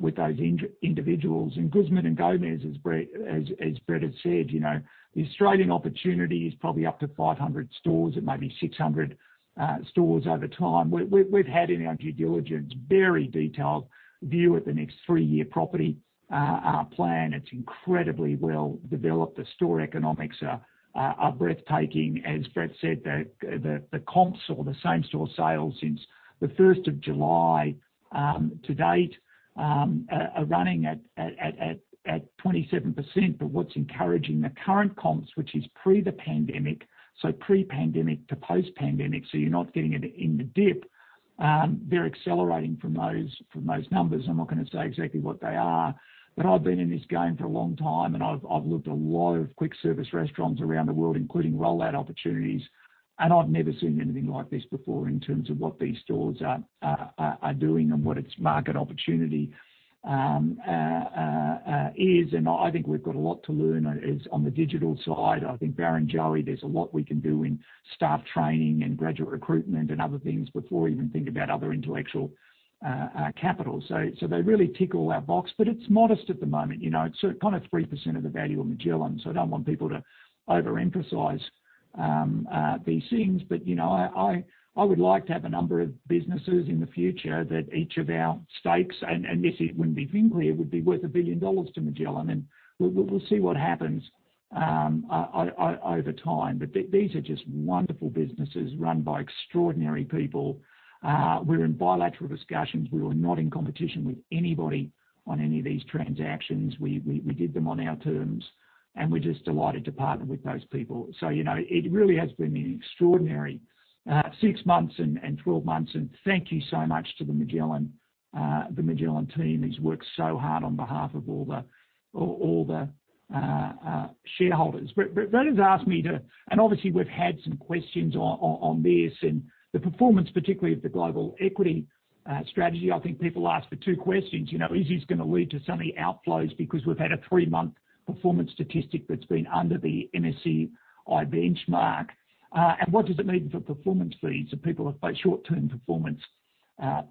with those individuals. Guzman y Gomez, as Brett has said, the Australian opportunity is probably up to 500 stores and maybe 600 stores over time. We've had in our due diligence, very detailed view of the next three-year property plan. It's incredibly well developed. The store economics are breathtaking. As Brett said, the comps or the same store sales since the 1st of July, to date, are running at 27%. What's encouraging the current comps, which is pre the pandemic, so pre-pandemic to post-pandemic, so you're not getting it in the dip, they're accelerating from those numbers. I'm not going to say exactly what they are. I've been in this game for a long time, and I've looked at a lot of quick service restaurants around the world, including rollout opportunities, and I've never seen anything like this before in terms of what these stores are doing and what its market opportunity is. I think we've got a lot to learn on the digital side. I think Barrenjoey, there's a lot we can do in staff training and graduate recruitment and other things before we even think about other intellectual capital. They really tick all our box, but it's modest at the moment. It's sort of 3% of the value of Magellan. I don't want people to overemphasize these things. I would like to have a number of businesses in the future that each of our stakes, and this it wouldn't be FinClear, would be worth 1 billion dollars to Magellan. We'll see what happens over time. These are just wonderful businesses run by extraordinary people. We're in bilateral discussions. We were not in competition with anybody on any of these transactions. We did them on our terms. We're just delighted to partner with those people. It really has been an extraordinary six months and 12 months, and thank you so much to the Magellan team who's worked so hard on behalf of all the shareholders. Brett has asked me. Obviously we've had some questions on this and the performance, particularly of the global equity strategy. I think people ask the two questions. Is this going to lead to suddenly outflows because we've had a three-month performance statistic that's been under the MSCI benchmark? What does it mean for performance fees if people have short-term performance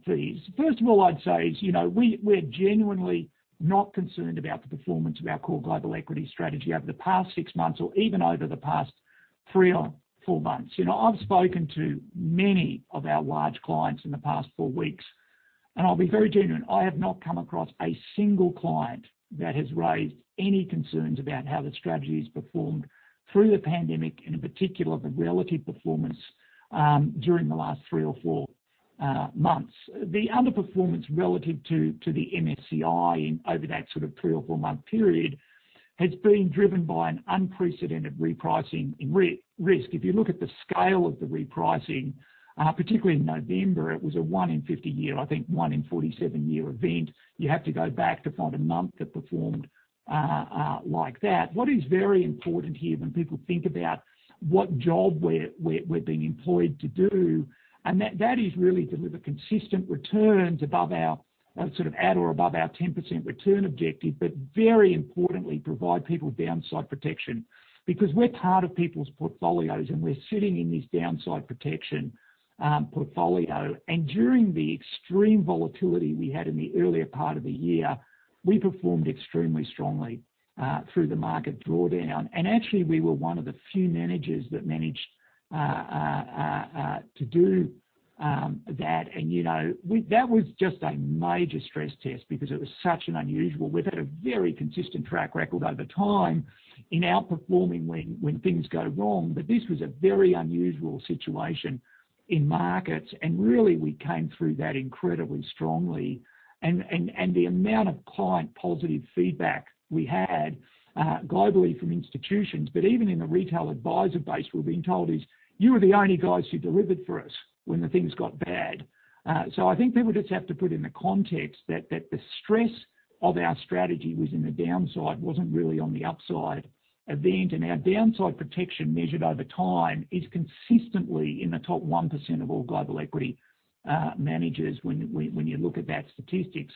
fees? First of all, I'd say is, we're genuinely not concerned about the performance of our core global equity strategy over the past six months or even over the past three or four months. I've spoken to many of our large clients in the past four weeks, and I'll be very genuine, I have not come across a single client that has raised any concerns about how the strategy is performed through the pandemic and in particular, the relative performance, during the last three or four months. The underperformance relative to the MSCI over that sort of three or four-month period has been driven by an unprecedented repricing in risk. If you look at the scale of the repricing, particularly in November, it was a one in 50-year, I think one in 47-year event. You have to go back to find a month that performed like that. What is very important here when people think about what job we're being employed to do. That is really deliver consistent returns at or above our 10% return objective. Very importantly, provide people downside protection. We're part of people's portfolios, we're sitting in this downside protection portfolio. During the extreme volatility we had in the earlier part of the year, we performed extremely strongly, through the market drawdown. Actually, we were one of the few managers that managed to do that. That was just a major stress test because it was such an unusual situation. We've had a very consistent track record over time in outperforming when things go wrong. This was a very unusual situation in markets. Really, we came through that incredibly strongly. The amount of client positive feedback we had, globally from institutions, but even in the retail advisor base, we're being told is, "You were the only guys who delivered for us when the things got bad." I think people just have to put in the context that the stress of our strategy was in the downside, wasn't really on the upside event. Our downside protection measured over time is consistently in the top 1% of all global equity managers when you look at that statistic.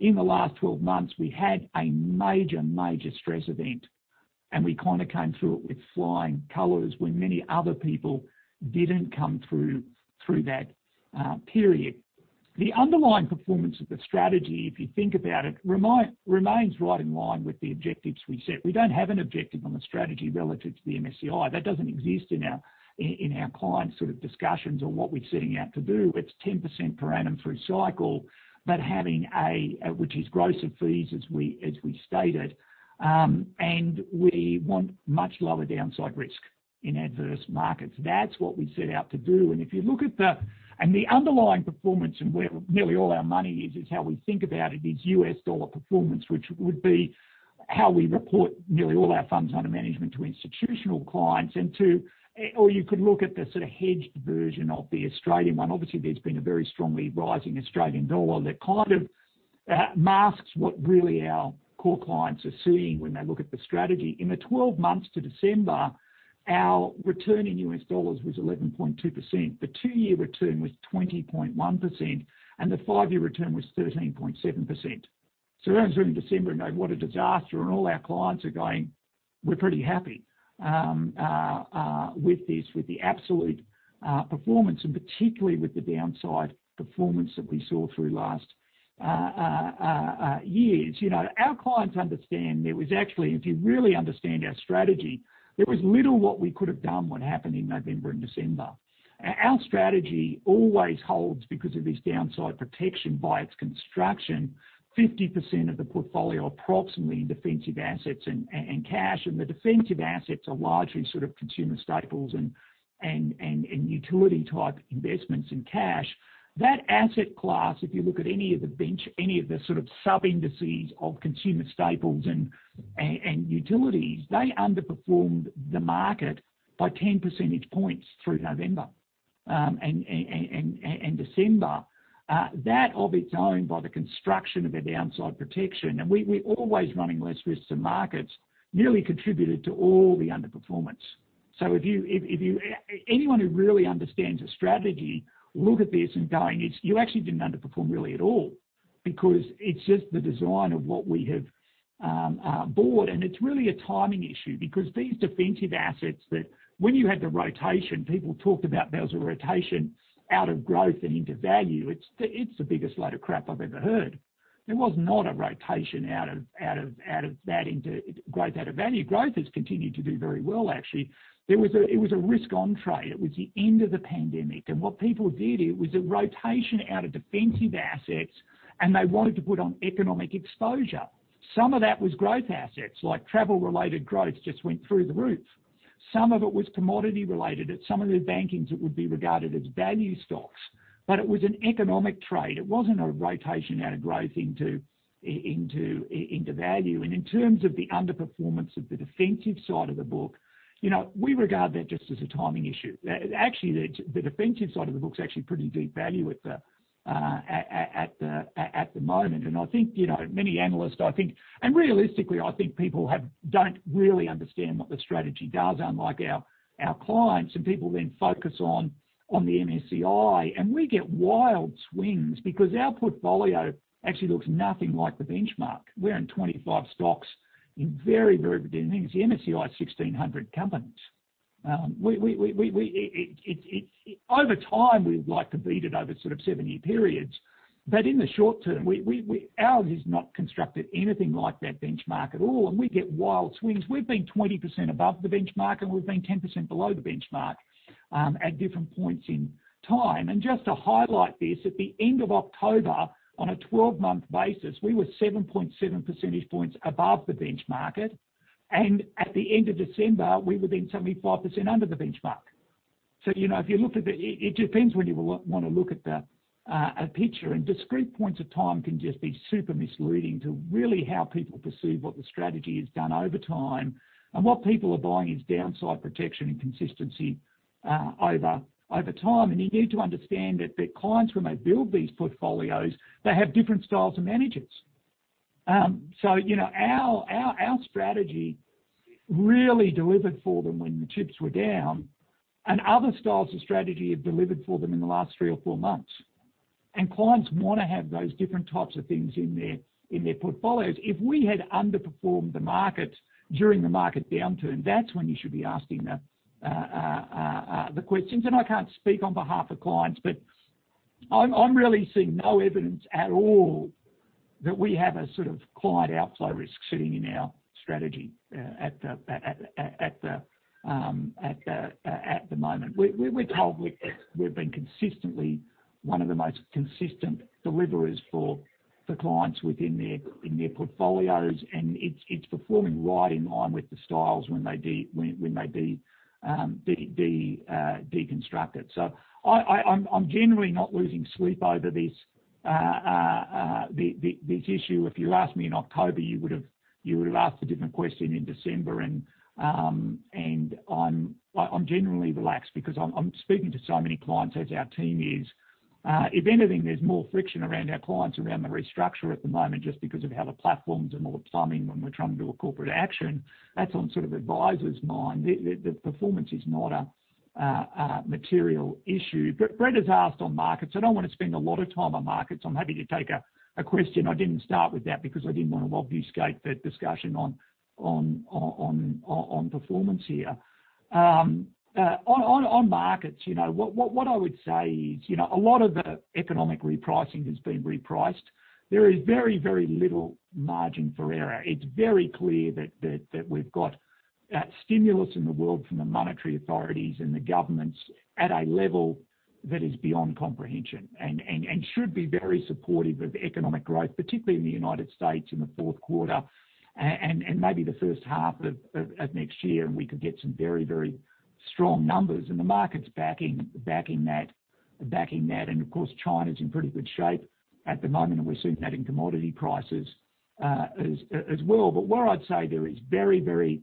In the last 12 months, we had a major stress event, and we kind of came through it with flying colors when many other people didn't come through that period. The underlying performance of the strategy, if you think about it, remains right in line with the objectives we set. We don't have an objective on the strategy relative to the MSCI. That doesn't exist in our client discussions on what we're setting out to do. It's 10% per annum through cycle, which is gross of fees, as we stated. We want much lower downside risk in adverse markets. That's what we set out to do. The underlying performance, and where nearly all our money is how we think about it, is U.S. dollar performance, which would be how we report nearly all our funds under management to institutional clients. Or you could look at the hedged version of the Australian one. Obviously, there's been a very strongly rising Australian dollar that kind of masks what really our core clients are seeing when they look at the strategy. In the 12 months to December, our return in U.S. dollar was 11.2%. The two-year return was 20.1%, and the five-year return was 13.7%. Everyone's looking at December and going, "What a disaster," and all our clients are going, "We're pretty happy with the absolute performance," and particularly with the downside performance that we saw through last years. Our clients understand there was actually, if you really understand our strategy, there was little what we could have done what happened in November and December. Our strategy always holds because of this downside protection by its construction, 50% of the portfolio, approximately, in defensive assets and cash. The defensive assets are largely consumer staples and utility-type investments in cash. That asset class, if you look at any of the sub-indices of consumer staples and utilities, they underperformed the market by 10 percentage points through November and December. That of its own, by the construction of our downside protection, and we're always running less risks than markets, nearly contributed to all the underperformance. Anyone who really understands the strategy, look at this and going, "You actually didn't underperform really at all," because it's just the design of what we have bought. It's really a timing issue because these defensive assets that when you had the rotation, people talked about there was a rotation out of growth and into value. It's the biggest load of crap I've ever heard. There was not a rotation out of value, growth out of value. Growth has continued to do very well, actually. It was a risk on trade. It was the end of the pandemic. What people did, it was a rotation out of defensive assets, and they wanted to put on economic exposure. Some of that was growth assets, like travel-related growth just went through the roof. Some of it was commodity-related. At some of the bankings, it would be regarded as value stocks. It was an economic trade. It wasn't a rotation out of growth into value. In terms of the underperformance of the defensive side of the book, we regard that just as a timing issue. Actually, the defensive side of the book is actually pretty deep value at the moment. Realistically, I think people don't really understand what the strategy does, unlike our clients. People then focus on the MSCI. We get wild swings because our portfolio actually looks nothing like the benchmark. We're in 25 stocks in very, very different things. The MSCI is 1,600 companies. Over time, we'd like to beat it over seven-year periods. In the short term, ours is not constructed anything like that benchmark at all, and we get wild swings. We’ve been 20% above the benchmark, and we’ve been 10% below the benchmark, at different points in time. Just to highlight this, at the end of October, on a 12-month basis, we were 7.7 percentage points above the benchmark. At the end of December, we were then 75% under the benchmark. It depends when you want to look at the picture, and discrete points of time can just be super misleading to really how people perceive what the strategy has done over time. What people are buying is downside protection and consistency over time. You need to understand that clients, when they build these portfolios, they have different styles of managers. Our strategy really delivered for them when the chips were down, and other styles of strategy have delivered for them in the last three or four months. Clients want to have those different types of things in their portfolios. If we had underperformed the market during the market downturn, that's when you should be asking the questions. I can't speak on behalf of clients, but I'm really seeing no evidence at all that we have a sort of client outflow risk sitting in our strategy at the moment. We're told we've been consistently one of the most consistent deliverers for clients within their portfolios, and it's performing right in line with the styles when they deconstruct it. I'm generally not losing sleep over this issue. If you asked me in October, you would've asked a different question in December. I'm generally relaxed because I'm speaking to so many clients as our team is. If anything, there's more friction around our clients around the restructure at the moment, just because of how the platforms and all the plumbing when we're trying to do a corporate action. That's on sort of advisors' mind. The performance is not a material issue. Brett has asked on markets. I don't want to spend a lot of time on markets. I'm happy to take a question. I didn't start with that because I didn't want to obfuscate the discussion on performance here. On markets, what I would say is, a lot of the economic repricing has been repriced. There is very, very little margin for error. It's very clear that we've got stimulus in the world from the monetary authorities and the governments at a level that is beyond comprehension and should be very supportive of economic growth, particularly in the United States in the fourth quarter and maybe the first half of next year, we could get some very, very strong numbers. The market's backing that. Of course, China's in pretty good shape at the moment, and we're seeing that in commodity prices as well. Where I'd say there is very, very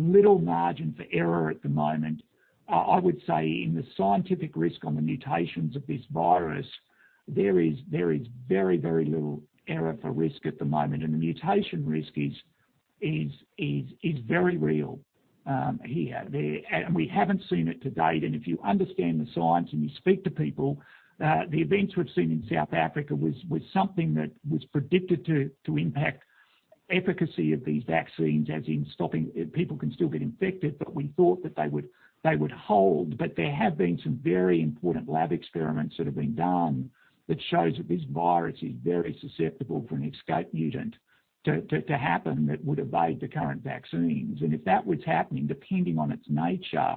little margin for error at the moment, I would say in the scientific risk on the mutations of this virus, there is very, very little error for risk at the moment. The mutation risk is very real here. We haven't seen it to date. If you understand the science and you speak to people, the events we've seen in South Africa was something that was predicted to impact efficacy of these vaccines, as in stopping people can still get infected, but we thought that they would hold. There have been some very important lab experiments that have been done that shows that this virus is very susceptible for an escape mutant to happen that would evade the current vaccines. If that was happening, depending on its nature,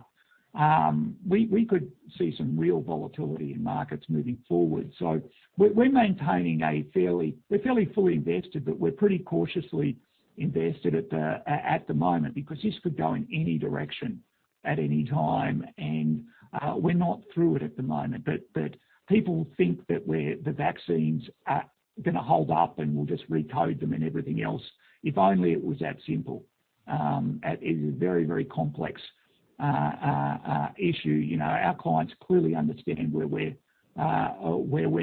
we could see some real volatility in markets moving forward. We're fairly fully invested, but we're pretty cautiously invested at the moment because this could go in any direction at any time. We're not through it at the moment. People think that the vaccines are going to hold up and we'll just recode them and everything else. If only it was that simple. It is a very, very complex issue. Our clients clearly understand where we're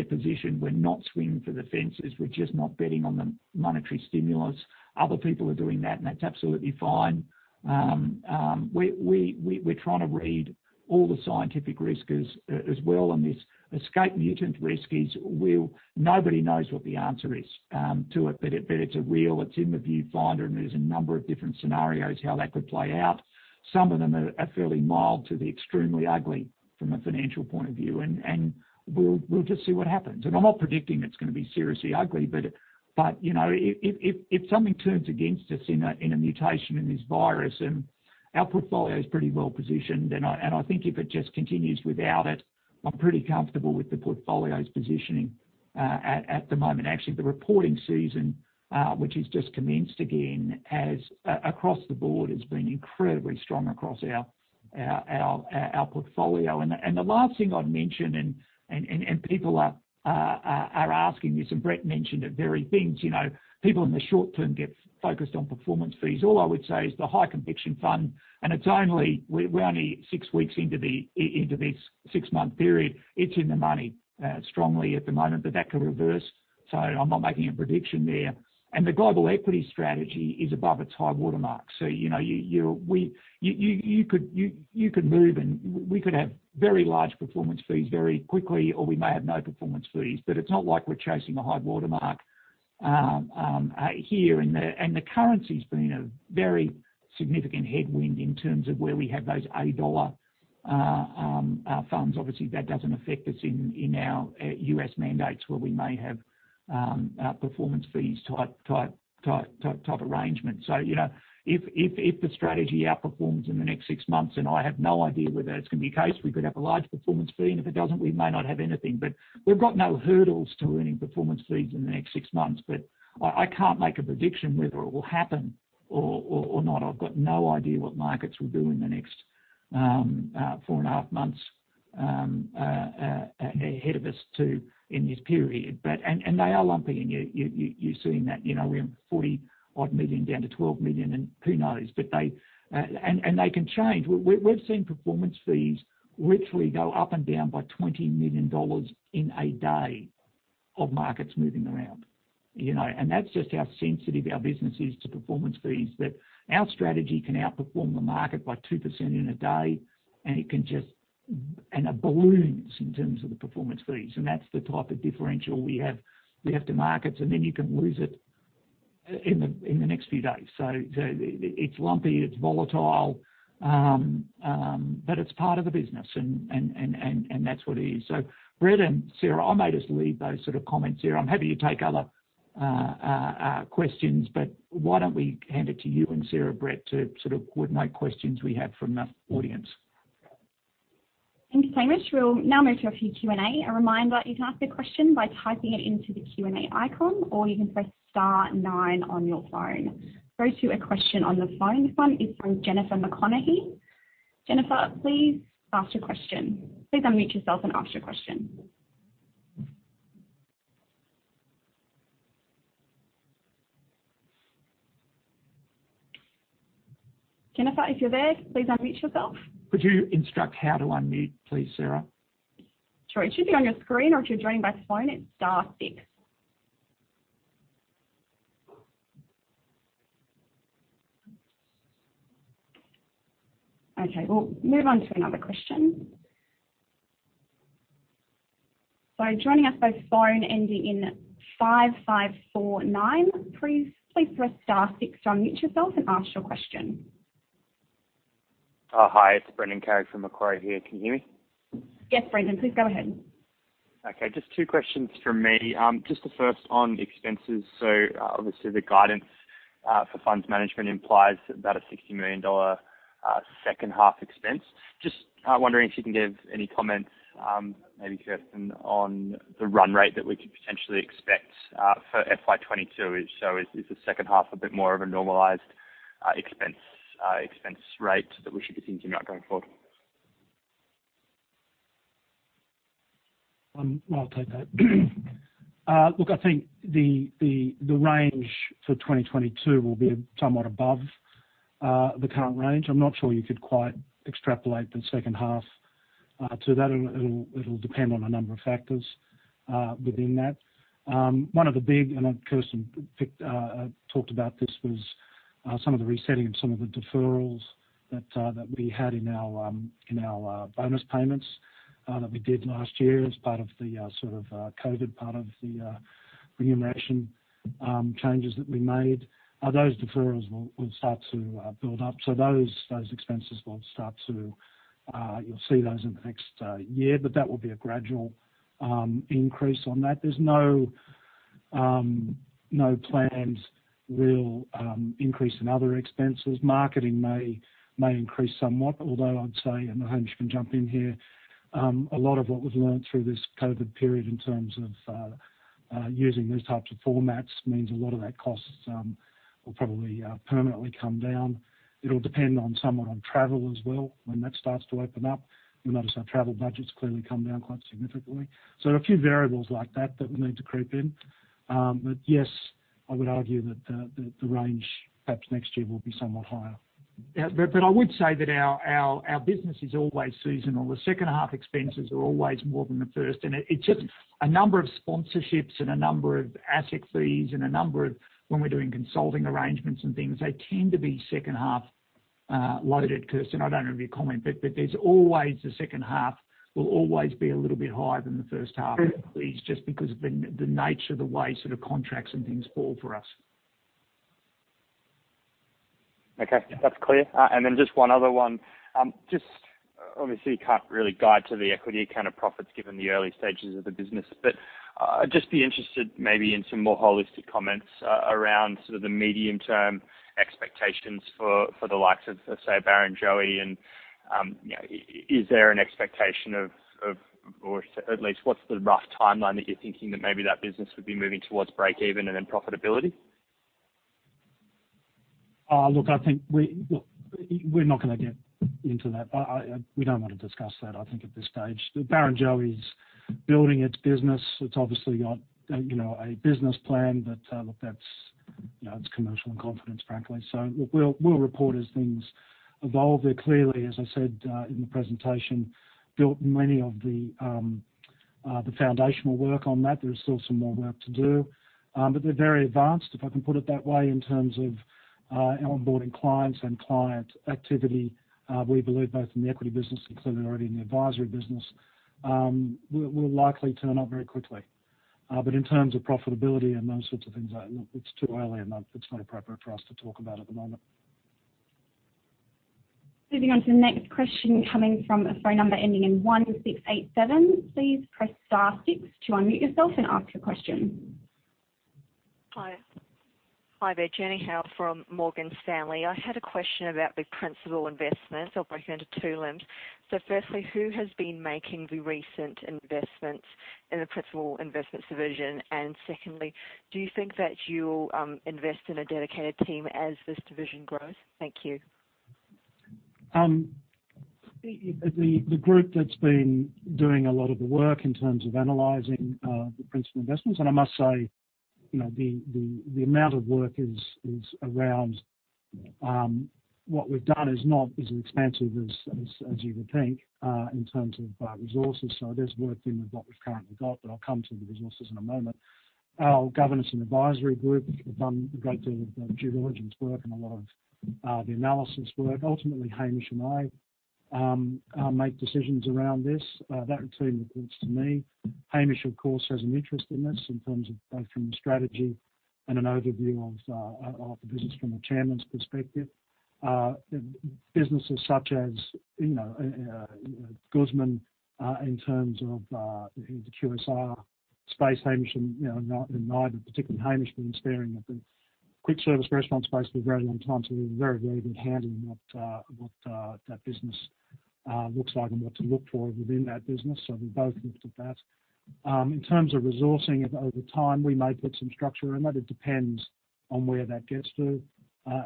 positioned. We're not swinging for the fences. We're just not betting on the monetary stimulus. Other people are doing that, and that's absolutely fine. We're trying to read all the scientific risk as well on this escape mutant risk is, well, nobody knows what the answer is to it, but it's real, it's in the viewfinder, and there's a number of different scenarios how that could play out. Some of them are fairly mild to the extremely ugly from a financial point of view, and we'll just see what happens. I'm not predicting it's going to be seriously ugly, but if something turns against us in a mutation in this virus, and our portfolio's pretty well positioned. I think if it just continues without it, I'm pretty comfortable with the portfolio's positioning at the moment. Actually, the reporting season, which has just commenced again, across the board, has been incredibly strong across our portfolio. The last thing I'd mention, and people are asking this, and Brett mentioned it, very things. People in the short term get focused on performance fees. All I would say is the High Conviction Fund, and we're only six weeks into this six-month period. It's in the money strongly at the moment, but that could reverse, so I'm not making a prediction there. The global equity strategy is above its high watermark. You could move, and we could have very large performance fees very quickly, or we may have no performance fees. It's not like we're chasing a high watermark here. The currency's been a very significant headwind in terms of where we have those [AUD] funds. Obviously, that doesn't affect us in our U.S. mandates where we may have performance fees type arrangement. If the strategy outperforms in the next six months, and I have no idea whether that's going to be the case, we could have a large performance fee. If it doesn't, we may not have anything. We've got no hurdles to earning performance fees in the next six months. I can't make a prediction whether it will happen or not. I've got no idea what markets will do in the next four and a half months ahead of us, too, in this period. They are lumpy. You're seeing that, we're 40-odd million down to 12 million, and who knows? They can change. We've seen performance fees literally go up and down by 20 million dollars in a day, of markets moving around. That's just how sensitive our business is to performance fees, that our strategy can outperform the market by 2% in a day, and it balloons in terms of the performance fees. That's the type of differential we have to markets, and then you can lose it in the next few days. It's lumpy, it's volatile, but it's part of the business, and that's what it is. Brett and Sarah, I may just leave those sort of comments here. I'm happy to take other questions, but why don't we hand it to you and Sarah, Brett, to sort of coordinate questions we have from the audience. Thank you, Hamish. We'll now move to a few Q&A. This one is from Jennifer McConaughey. Jennifer, please ask your question. Please unmute yourself and ask your question. Jennifer, if you're there, please unmute yourself. Could you instruct how to unmute, please, Sarah? Sure. It should be on your screen, or if you're joining by phone, it's star six. Okay, we'll move on to another question. Please press star six to unmute yourself and ask your question. Oh, hi, it's Brendan Carrig from Macquarie here. Can you hear me? Yes, Brendan, please go ahead. Okay. Just two questions from me. Just the first on expenses. Obviously the guidance for funds management implies about an 60 million dollar second-half expense. Just wondering if you can give any comments, maybe, Kirsten, on the run rate that we could potentially expect for FY 2022. Is the second half a bit more of a normalized expense rate that we should be thinking about going forward? I'll take that. Look, I think the range for 2022 will be somewhat above the current range. I'm not sure you could quite extrapolate the second half to that. It'll depend on a number of factors within that. One of the big, and Kirsten talked about this, was some of the resetting of some of the deferrals that we had in our bonus payments that we did last year as part of the COVID part of the remuneration changes that we made. Those deferrals will start to build up. Those expenses, you'll see those in the next year. That will be a gradual increase on that. There's no planned real increase in other expenses. Marketing may increase somewhat, although I'd say, and Hamish, you can jump in here, a lot of what we've learned through this COVID period in terms of using these types of formats means a lot of that cost will probably permanently come down. It'll depend on somewhat on travel as well when that starts to open up. You'll notice our travel budget's clearly come down quite significantly. So there are a few variables like that that we need to creep in. But yes, I would argue that the range perhaps next year will be somewhat higher. I would say that our business is always seasonal. The second-half expenses are always more than the first, it's just a number of sponsorships and a number of asset fees and a number of when we're doing consulting arrangements and things, they tend to be second-half loaded. Kirsten, I don't know if you comment, the second half will always be a little bit higher than the first half at least just because of the nature of the way contracts and things fall for us. Okay, that's clear. Just one other one. Just obviously you can't really guide to the equity account of profits given the early stages of the business, I'd just be interested maybe in some more holistic comments around sort of the medium-term expectations for the likes of, say, Barrenjoey and, is there an expectation of, or at least what's the rough timeline that you're thinking that maybe that business would be moving towards breakeven and then profitability? Look, we're not going to get into that. We don't want to discuss that, I think at this stage. Barrenjoey's building its business. It's obviously got a business plan, but, look, that's commercial in confidence, frankly. We'll report as things evolve there. Clearly, as I said in the presentation, built many of the foundational work on that. There is still some more work to do. They're very advanced, if I can put it that way, in terms of onboarding clients and client activity. We believe both in the equity business and clearly already in the advisory business, will likely turn up very quickly. In terms of profitability and those sorts of things, look, it's too early, and it's not appropriate for us to talk about at the moment. Moving on to the next question, coming from a phone number ending in 1687. Hi there, Jenny [Fay] from Morgan Stanley. I had a question about the principal investment. I'll break it into two limbs. Firstly, who has been making the recent investments in the principal investments division? Secondly, do you think that you'll invest in a dedicated team as this division grows? Thank you. The group that's been doing a lot of the work in terms of analyzing the principal investments, and I must say the amount of work What we've done is not as expansive as you would think in terms of resources. There's work there with what we've currently got, but I'll come to the resources in a moment. Our governance and advisory group have done a great deal of the due diligence work and a lot of the analysis work. Ultimately, Hamish and I make decisions around this. That team reports to me. Hamish, of course, has an interest in this in terms of both from the strategy and an overview of the business from the chairman's perspective. Businesses such as Guzman, in terms of the QSR space, Hamish and I, but particularly Hamish with his experience at the quick service restaurant space for a very long time, we have a very good handle on what that business looks like and what to look for within that business. We both looked at that. In terms of resourcing it over time, we may put some structure around it. It depends on where that gets to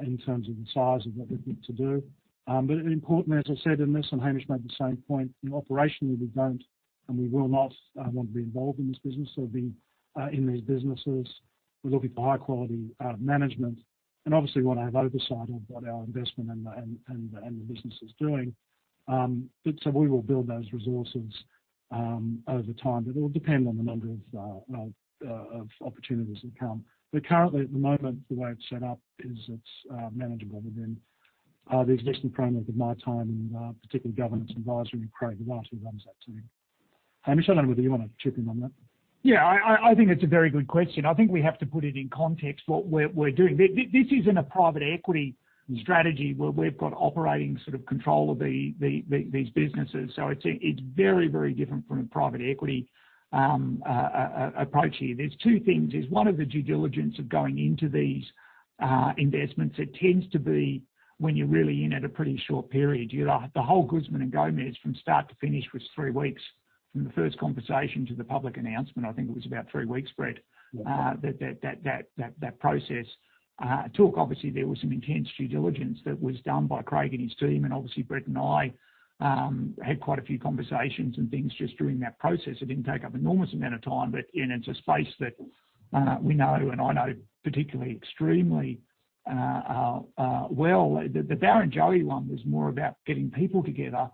in terms of the size of what we're going to do. Importantly, as I said in this, and Hamish made the same point, operationally, we don't and we will not want to be involved in this business. In these businesses, we're looking for high-quality management and obviously want to have oversight of what our investment and the business is doing. We will build those resources over time. It will depend on the number of opportunities that come. Currently at the moment, the way it's set up is it's manageable within the existing parameters of my time and particularly governance and advisory, and Craig largely runs that team. Hamish, I don't know whether you want to chip in on that. Yeah, I think it's a very good question. I think we have to put it in context what we're doing. This isn't a private equity strategy where we've got operating control of these businesses. It's very different from a private equity approach here. There are two things. There's one of the due diligence of going into these investments. It tends to be when you're really in at a pretty short period. The whole Guzman y Gomez from start to finish was three weeks. From the first conversation to the public announcement, I think it was about three weeks, Brett. Yeah. That process took-- Obviously, there was some intense due diligence that was done by Craig and his team, and obviously, Brett and I had quite a few conversations and things just during that process. It didn't take up an enormous amount of time, but it's a space that we know and I know particularly extremely well. The Barrenjoey one was more about getting people together.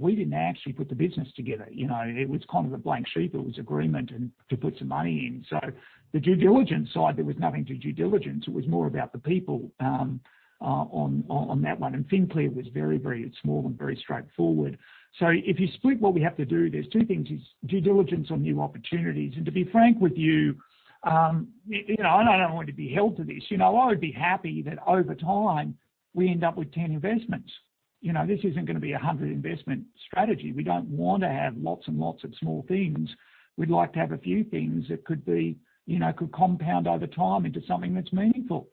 We didn't actually put the business together. It was kind of a blank sheet. It was agreement and to put some money in. The due diligence side, there was nothing to due diligence. It was more about the people on that one. FinClear was very small and very straightforward. If you split what we have to do, there's two things, is due diligence on new opportunities. To be frank with you, and I don't want to be held to this. I would be happy that over time we end up with 10 investments. This isn't going to be 100 investment strategy. We don't want to have lots and lots of small things. We'd like to have a few things that could compound over time into something that's meaningful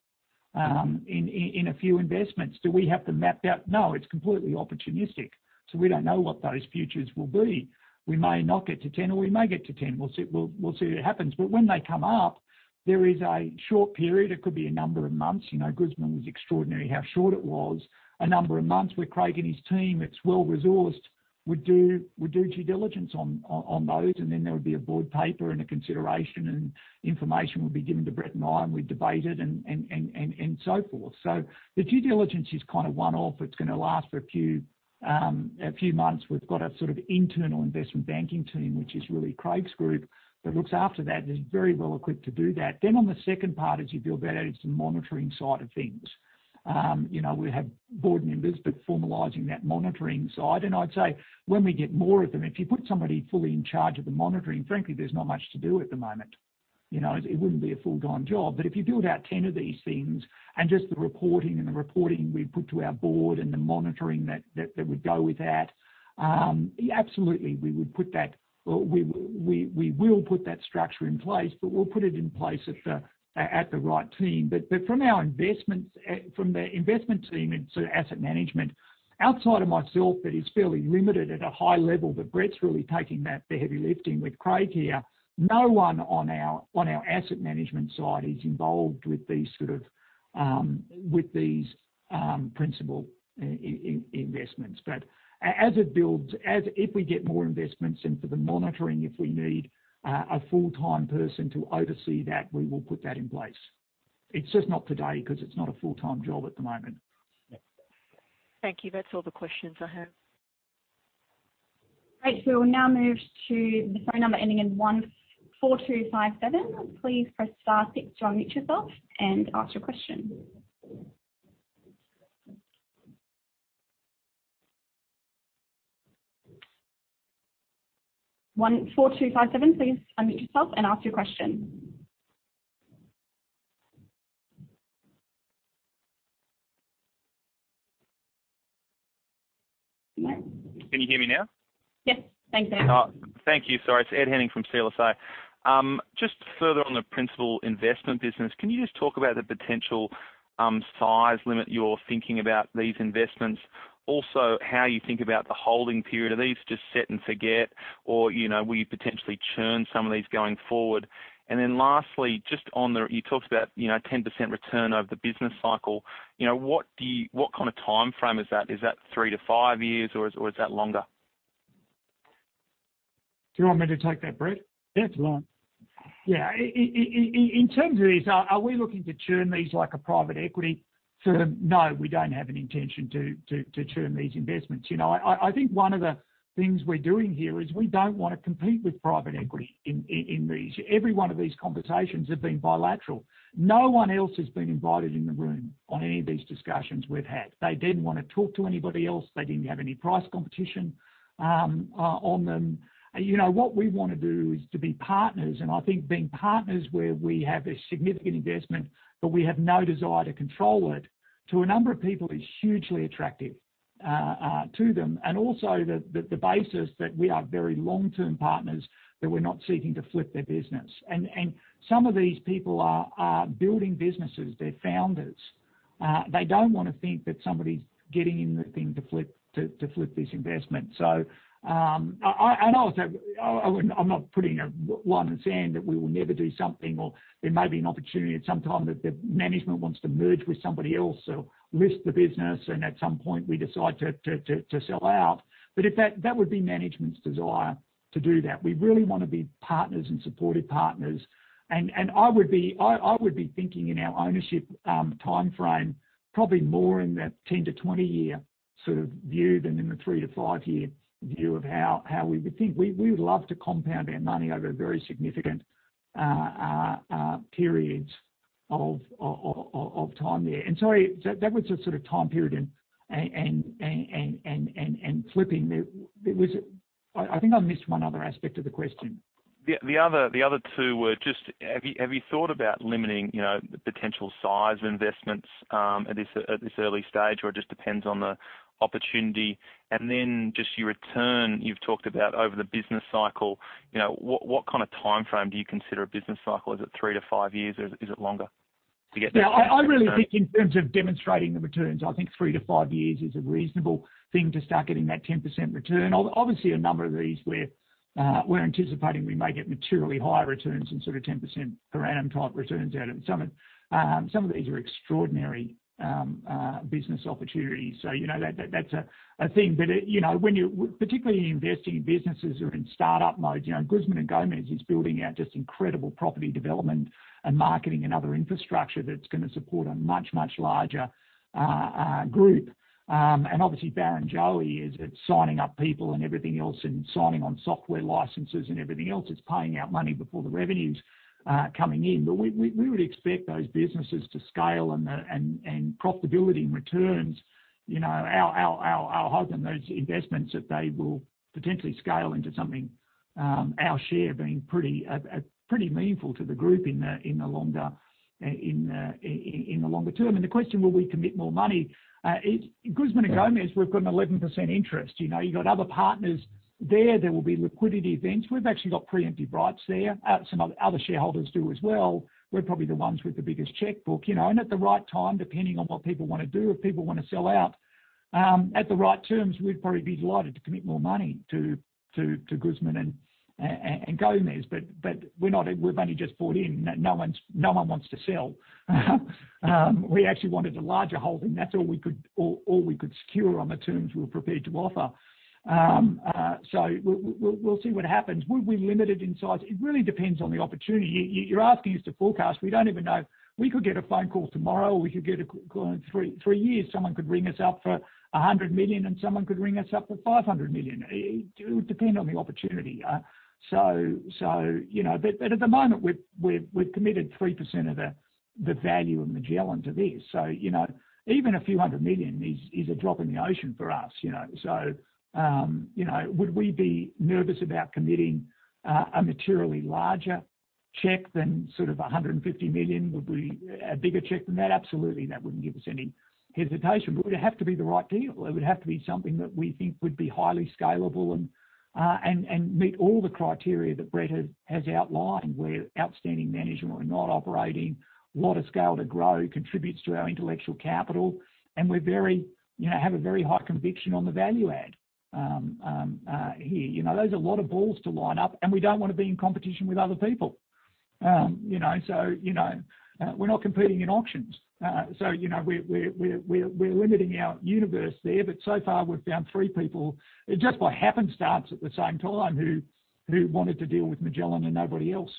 in a few investments. Do we have them mapped out? No, it's completely opportunistic, so we don't know what those futures will be. We may not get to 10 or we may get to 10. We'll see what happens. When they come up, there is a short period, it could be a number of months. Guzman was extraordinary how short it was. A number of months where Craig and his team, it's well-resourced, would do due diligence on those, and then there would be a board paper and a consideration, and information would be given to Brett and I, and we'd debate it and so forth. The due diligence is one-off. It's going to last for a few months. We've got a sort of internal investment banking team, which is really Craig's group, that looks after that, and is very well equipped to do that. On the second part, as you build that out, it's the monitoring side of things. We have board members, formalizing that monitoring side, and I'd say when we get more of them, if you put somebody fully in charge of the monitoring, frankly, there's not much to do at the moment. It wouldn't be a full-time job. If you build out 10 of these things and just the reporting and the reporting we put to our board and the monitoring that would go with that, absolutely, we will put that structure in place, but we'll put it in place at the right team. From the investment team and asset management, outside of myself, that is fairly limited at a high level, but Brett's really taking that, the heavy lifting with Craig here. No one on our asset management side is involved with these principal investments. As it builds, if we get more investments and for the monitoring, if we need a full-time person to oversee that, we will put that in place. It's just not today because it's not a full-time job at the moment. Thank you. That's all the questions I have. Great. We will now move to the phone number ending in 14257. 14257, please unmute yourself and ask your question. Can you hear me now? Yes. Thanks, Ed. Thank you. Sorry. It's Ed Henning from CLSA. Just further on the principal investment business, can you just talk about the potential size limit you're thinking about these investments? Also, how you think about the holding period. Are these just set and forget or will you potentially churn some of these going forward? Lastly, you talked about 10% return over the business cycle. What kind of timeframe is that? Is that three to five years or is that longer? Do you want me to take that, Brett? Yeah, if you like. Yeah. In terms of this, are we looking to churn these like a private equity firm? No, we don't have an intention to churn these investments. I think one of the things we're doing here is we don't want to compete with private equity in these. Every one of these conversations have been bilateral. No one else has been invited in the room on any of these discussions we've had. They didn't want to talk to anybody else. They didn't have any price competition on them. What we want to do is to be partners, and I think being partners where we have a significant investment, but we have no desire to control it, to a number of people is hugely attractive to them. Also the basis that we are very long-term partners, that we're not seeking to flip their business. Some of these people are building businesses. They're founders. They don't want to think that somebody's getting in the thing to flip this investment. I'm not putting a line in the sand that we will never do something, or there may be an opportunity at some time that the management wants to merge with somebody else or list the business, and at some point we decide to sell out. That would be management's desire to do that. We really want to be partners and supportive partners. I would be thinking in our ownership timeframe, probably more in the 10 year-20 year view than in the three to five year view of how we would think. We would love to compound our money over a very significant periods of time there. Sorry, that was the sort of time period and flipping. There was I think I missed one other aspect of the question. The other two were just, have you thought about limiting the potential size of investments at this early stage or it just depends on the opportunity? Then just your return you've talked about over the business cycle. What kind of timeframe do you consider a business cycle? Is it three or five years? Is it longer to get? Yeah. I really think in terms of demonstrating the returns, I think three to five years is a reasonable thing to start getting that 10% return. Obviously, a number of these we're anticipating we may get materially higher returns than sort of 10% per annum type returns out of it. Some of these are extraordinary business opportunities. You know that's a thing. Particularly in investing in businesses who are in startup mode, Guzman y Gomez is building out just incredible property development and marketing and other infrastructure that's going to support a much, much larger group. Obviously Barrenjoey is signing up people and everything else and signing on software licenses and everything else. It's paying out money before the revenue's coming in. We would expect those businesses to scale and profitability and returns, our holding those investments that they will potentially scale into something, our share being pretty meaningful to the group in the longer term. The question, will we commit more money? Guzman y Gomez, we've got an 11% interest. You've got other partners there. There will be liquidity events. We've actually got pre-emptive rights there. Some other shareholders do as well. We're probably the ones with the biggest checkbook. At the right time, depending on what people want to do, if people want to sell out, at the right terms, we'd probably be delighted to commit more money to Guzman y Gomez. We've only just bought in. No one wants to sell. We actually wanted a larger holding. That's all we could secure on the terms we were prepared to offer. We'll see what happens. Would we limit it in size? It really depends on the opportunity. You're asking us to forecast. We don't even know. We could get a phone call tomorrow, or we could get a call in three years. Someone could ring us up for 100 million, and someone could ring us up for 500 million. It would depend on the opportunity. At the moment, we've committed 3% of the value of Magellan to this. Even a few hundred million Australian dollar is a drop in the ocean for us. Would we be nervous about committing a materially larger check than sort of 150 million? A bigger check than that? Absolutely. That wouldn't give us any hesitation. It would have to be the right deal. It would have to be something that we think would be highly scalable and meet all the criteria that Brett has outlined, where outstanding management or not operating, a lot of scale to grow, contributes to our intellectual capital. We're very, have a very high conviction on the value add here. Those are a lot of balls to line up, and we don't want to be in competition with other people. We're not competing in auctions. We're limiting our universe there. So far, we've found three people, just by happenstance at the same time, who wanted to deal with Magellan and nobody else.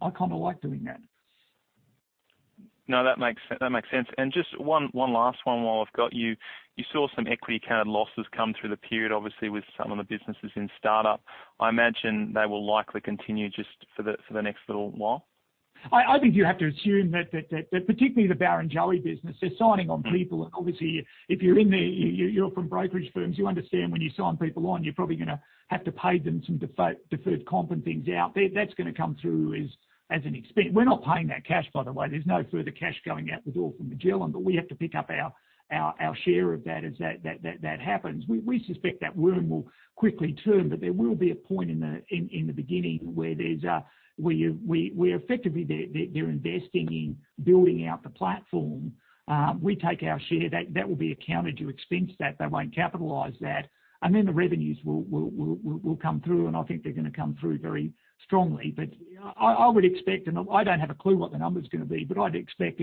I kind of like doing that. No, that makes sense. Just one last one while I've got you. You saw some equity account losses come through the period, obviously, with some of the businesses in startup. I imagine they will likely continue just for the next little while? I think you have to assume that particularly the Barrenjoey business, they're signing on people. Obviously if you're in there, you're from brokerage firms, you understand when you sign people on, you're probably going to have to pay them some deferred comp and things out there. That's going to come through as an expense. We're not paying that cash, by the way. There's no further cash going out the door from Magellan, but we have to pick up our share of that as that happens. We suspect that wound will quickly turn, but there will be a point in the beginning where effectively they're investing in building out the platform. We take our share. That will be accounted to expense that. They won't capitalize that. Then the revenues will come through, and I think they're going to come through very strongly. I would expect, and I don't have a clue what the number's going to be, I would expect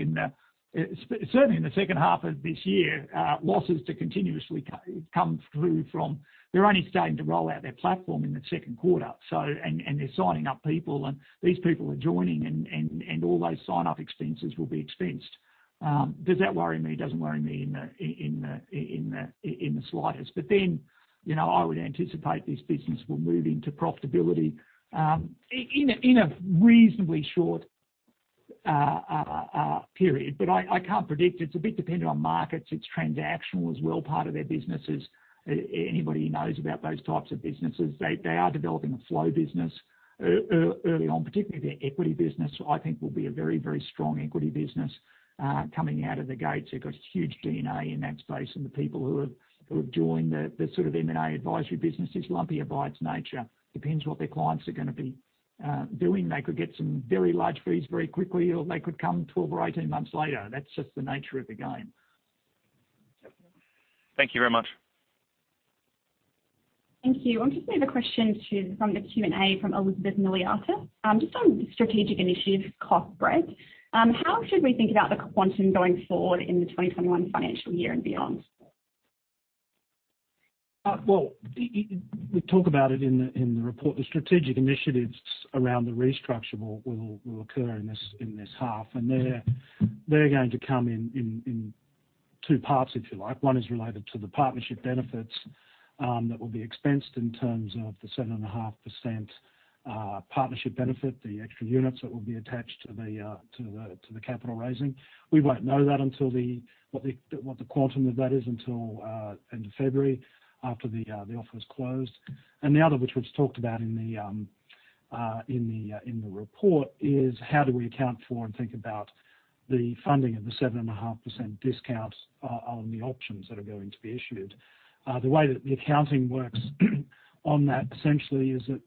certainly in the second half of this year, losses to continuously come through from, they're only starting to roll out their platform in the second quarter. They're signing up people, and these people are joining, and all those sign-up expenses will be expensed. Does that worry me? It doesn't worry me in the slightest. I would anticipate this business will move into profitability in a reasonably short period. I can't predict. It's a bit dependent on markets. It's transactional as well. Part of their business is anybody knows about those types of businesses. They are developing a flow business early on, particularly their equity business, I think will be a very strong equity business coming out of the gates. They've got huge DNA in that space and the people who have joined the sort of M&A advisory business is lumpy by its nature, depends what their clients are going to be doing. They could get some very large fees very quickly, or they could come 12 months or 18 months later. That's just the nature of the game. Thank you very much. Thank you. I'm just going to have a question from the Q&A from Elizabeth Miliatis. Just on strategic initiatives cost, Brett, how should we think about the quantum going forward in the 2021 financial year and beyond? Well, we talk about it in the report. The strategic initiatives around the restructure will occur in this half, and they're going to come in two parts, if you like. One is related to the partnership benefits that will be expensed in terms of the 7.5% partnership benefit, the extra units that will be attached to the capital raising. We won't know what the quantum of that is until end of February after the offer is closed. The other which was talked about in the report is how do we account for and think about the funding of the 7.5% discount on the options that are going to be issued. The way that the accounting works on that essentially is that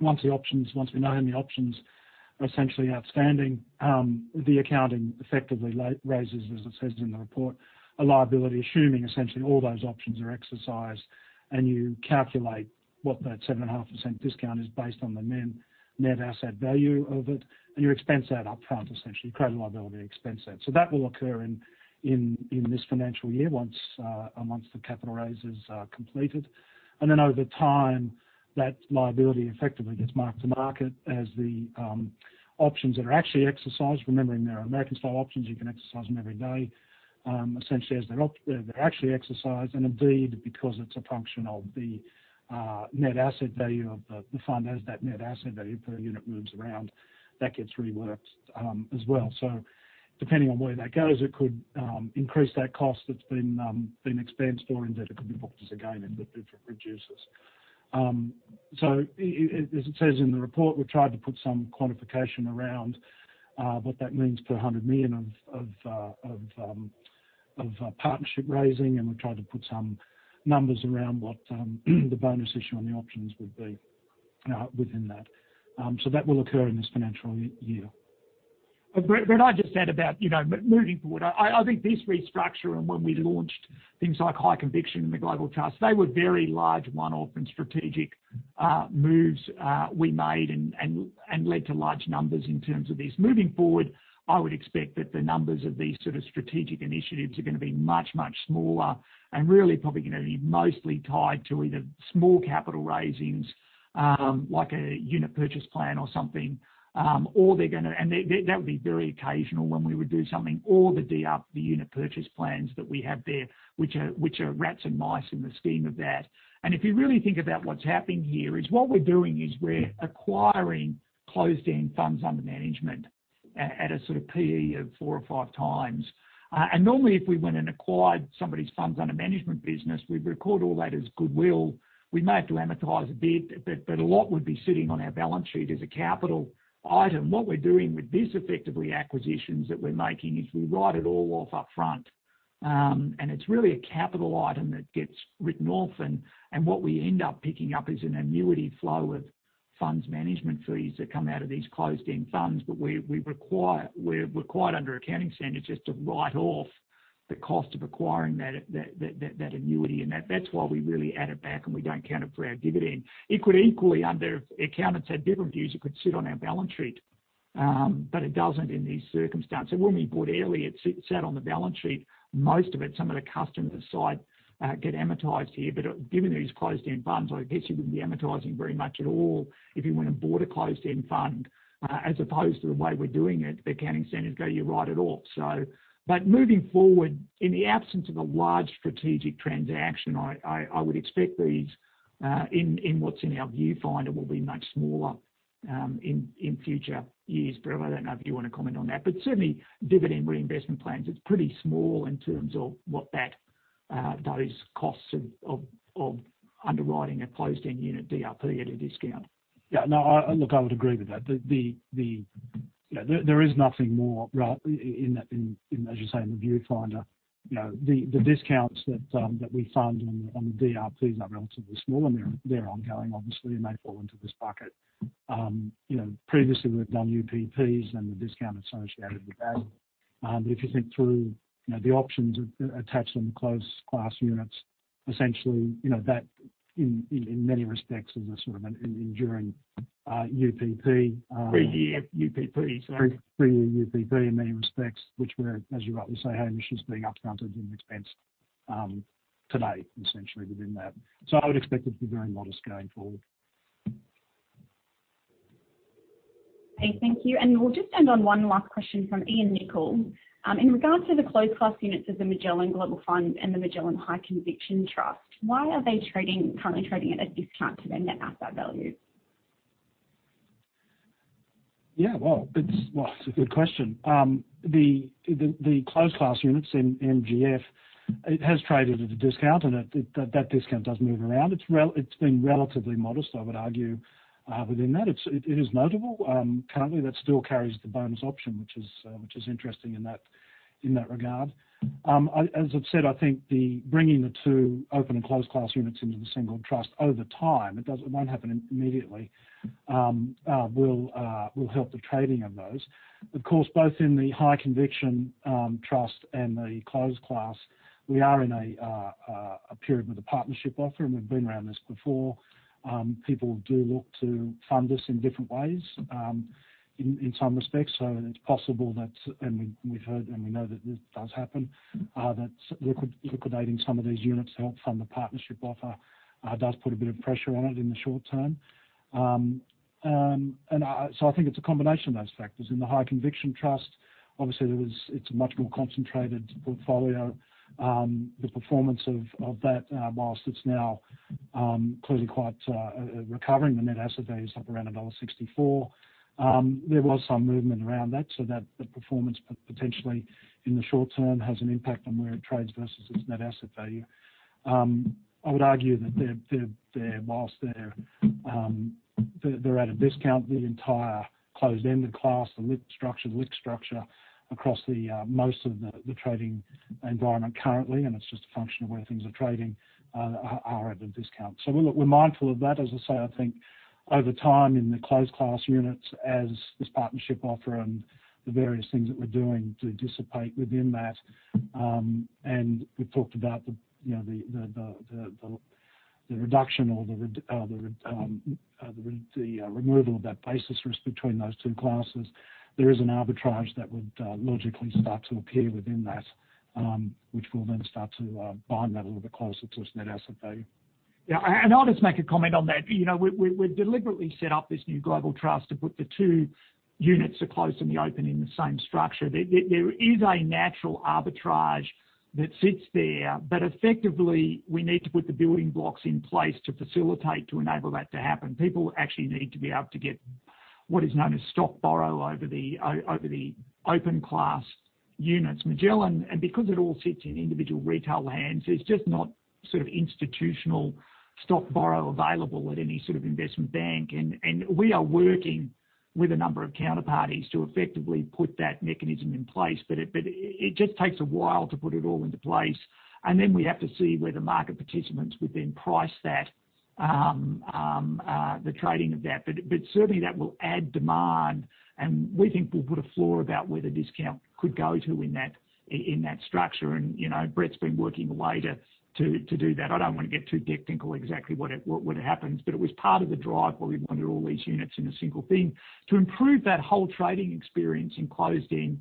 once we know how many options are essentially outstanding, the accounting effectively raises, as it says in the report, a liability, assuming essentially all those options are exercised and you calculate what that 7.5% discount is based on the net asset value of it, and you expense that upfront, essentially. You create a liability and expense that. That will occur in this financial year once the capital raise is completed. Then over time, that liability effectively gets marked to market as the options that are actually exercised, remembering they're American-style options, you can exercise them every day, essentially as they're actually exercised. Indeed, because it's a function of the net asset value of the fund as that net asset value per unit moves around, that gets reworked as well. Depending on where that goes, it could increase that cost that's been expensed, or indeed it could be booked as a gain and it reduces. As it says in the report, we've tried to put some quantification around what that means per 100 million of partnership raising, and we've tried to put some numbers around what the bonus issue on the options would be within that. That will occur in this financial year. Brett, I just said about moving forward, I think this restructure and when we launched things like High Conviction and the Global Trust, they were very large one-off and strategic moves we made and led to large numbers in terms of this. Moving forward, I would expect that the numbers of these sort of strategic initiatives are going to be much, much smaller and really probably going to be mostly tied to either small capital raisings, like a unit purchase plan or something. That would be very occasional when we would do something or the DRP, the unit purchase plans that we have there, which are rats and mice in the scheme of that. If you really think about what's happening here is what we're doing is we're acquiring closed-end funds under management at a sort of P/E of four or five times. Normally, if we went and acquired somebody's funds on a management business, we'd record all that as goodwill. We may have to amortize a bit, but a lot would be sitting on our balance sheet as a capital item. What we're doing with this effectively acquisitions that we're making is we write it all off upfront. It's really a capital item that gets written off and what we end up picking up is an annuity flow of funds management fees that come out of these closed-end funds. We're required under accounting standards just to write off the cost of acquiring that annuity and that's why we really add it back and we don't count it for our dividend. It could equally, under accountants have different views, it could sit on our balance sheet, but it doesn't in these circumstances. When we bought Airlie, it sat on the balance sheet, most of it, some of the custom a side get amortized here, but given these closed-end funds, I guess you wouldn't be amortizing very much at all if you went and bought a closed-end fund, as opposed to the way we're doing it, the accounting standards go, you write it off. Moving forward, in the absence of a large strategic transaction, I would expect these in what's in our viewfinder will be much smaller in future years. Brett, I don't know if you want to comment on that, but certainly dividend reinvestment plans, it's pretty small in terms of what those costs of underwriting a closed-end unit DRP at a discount. Yeah. No, look, I would agree with that. There is nothing more in, as you say, in the viewfinder. The discounts that we fund on the DRPs are relatively small. They're ongoing, obviously, and they fall into this bucket. Previously, we've done UPPs and the discount associated with that. If you think through the options attached on the closed class units, essentially, that in many respects is a sort of an enduring UPP. Three-year UPP, sorry. Three-year UPP in many respects, which we're, as you rightly say, hay Hamish, is being up-fronted and expensed today, essentially within that. I would expect it to be very modest going forward. Okay, thank you. We'll just end on one last question from Ian Nichol. In regards to the closed class units of the Magellan Global Fund and the Magellan High Conviction Trust, why are they currently trading at a discount to their net asset value? Well, it's a good question. The closed class units in MGF, it has traded at a discount, and that discount does move around. It's been relatively modest, I would argue, within that. It is notable. Currently, that still carries the bonus option, which is interesting in that regard. As I've said, I think bringing the two open and closed class units into the single trust over time, it won't happen immediately, will help the trading of those. Both in the High Conviction Trust and the closed class, we are in a period with a partnership offer, and we've been around this before. People do look to fund this in different ways, in some respects. It's possible that, and we've heard and we know that this does happen, that liquidating some of these units to help fund the partnership offer does put a bit of pressure on it in the short term. I think it's a combination of those factors. In the High Conviction Trust, obviously, it's a much more concentrated portfolio. The performance of that, whilst it's now clearly quite recovering, the net asset value is up around AUD 1.64, there was some movement around that. That performance potentially in the short term has an impact on where it trades versus its net asset value. I would argue that whilst they're at a discount, the entire closed-ended class, the LIC structure, the LIC structure across the most of the trading environment currently, and it's just a function of where things are trading, are at a discount. We're mindful of that. As I say, I think over time in the closed class units, as this partnership offer and the various things that we're doing do dissipate within that, and we've talked about the reduction or the removal of that basis risk between those two classes. There is an arbitrage that would logically start to appear within that, which will then start to bind that a little bit closer to its net asset value. Yeah. I'll just make a comment on that. We deliberately set up this new global trust to put the two units, the closed and the open, in the same structure. There is a natural arbitrage that sits there, but effectively, we need to put the building blocks in place to facilitate, to enable that to happen. People actually need to be able to get what is known as stock borrow over the open class units. Magellan, and because it all sits in individual retail hands, there's just not institutional stock borrow available at any sort of investment bank. We are working with a number of counterparties to effectively put that mechanism in place. It just takes a while to put it all into place, and then we have to see whether market participants would then price the trading of that. Certainly that will add demand, and we think will put a floor about where the discount could go to in that structure. Brett's been working away to do that. I don't want to get too technical exactly what happens, it was part of the drive where we wanted all these units in a single thing to improve that whole trading experience in closed-in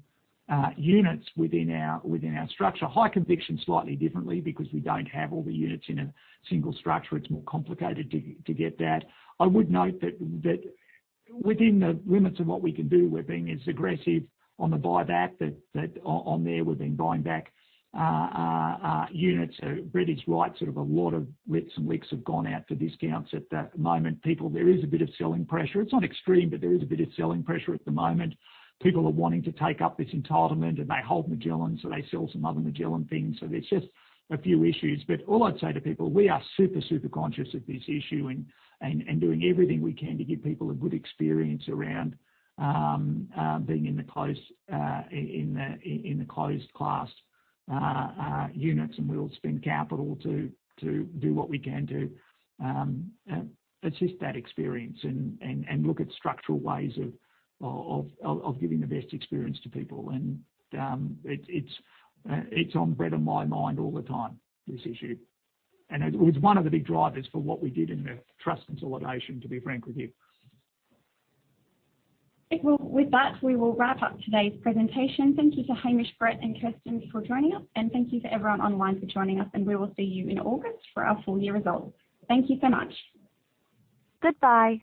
units within our structure. High Conviction, slightly differently because we don't have all the units in a single structure. It's more complicated to get that. I would note that within the limits of what we can do, we're being as aggressive on the buyback, that on there, we've been buying back units. Brett is right, a lot of LITs and LICs have gone out to discounts at the moment. There is a bit of selling pressure. It's not extreme, but there is a bit of selling pressure at the moment. People are wanting to take up this entitlement, and they hold Magellan, so they sell some other Magellan things. There's just a few issues. All I'd say to people, we are super conscious of this issue and doing everything we can to give people a good experience around being in the closed class units, and we'll spend capital to do what we can do, assist that experience and look at structural ways of giving the best experience to people. It's on Brett and my mind all the time, this issue. It was one of the big drivers for what we did in the trust consolidation, to be frank with you. Well, with that, we will wrap up today's presentation. Thank you to Hamish, Brett, and Kirsten for joining us. Thank you to everyone online for joining us. We will see you in August for our full-year results. Thank you so much. Goodbye.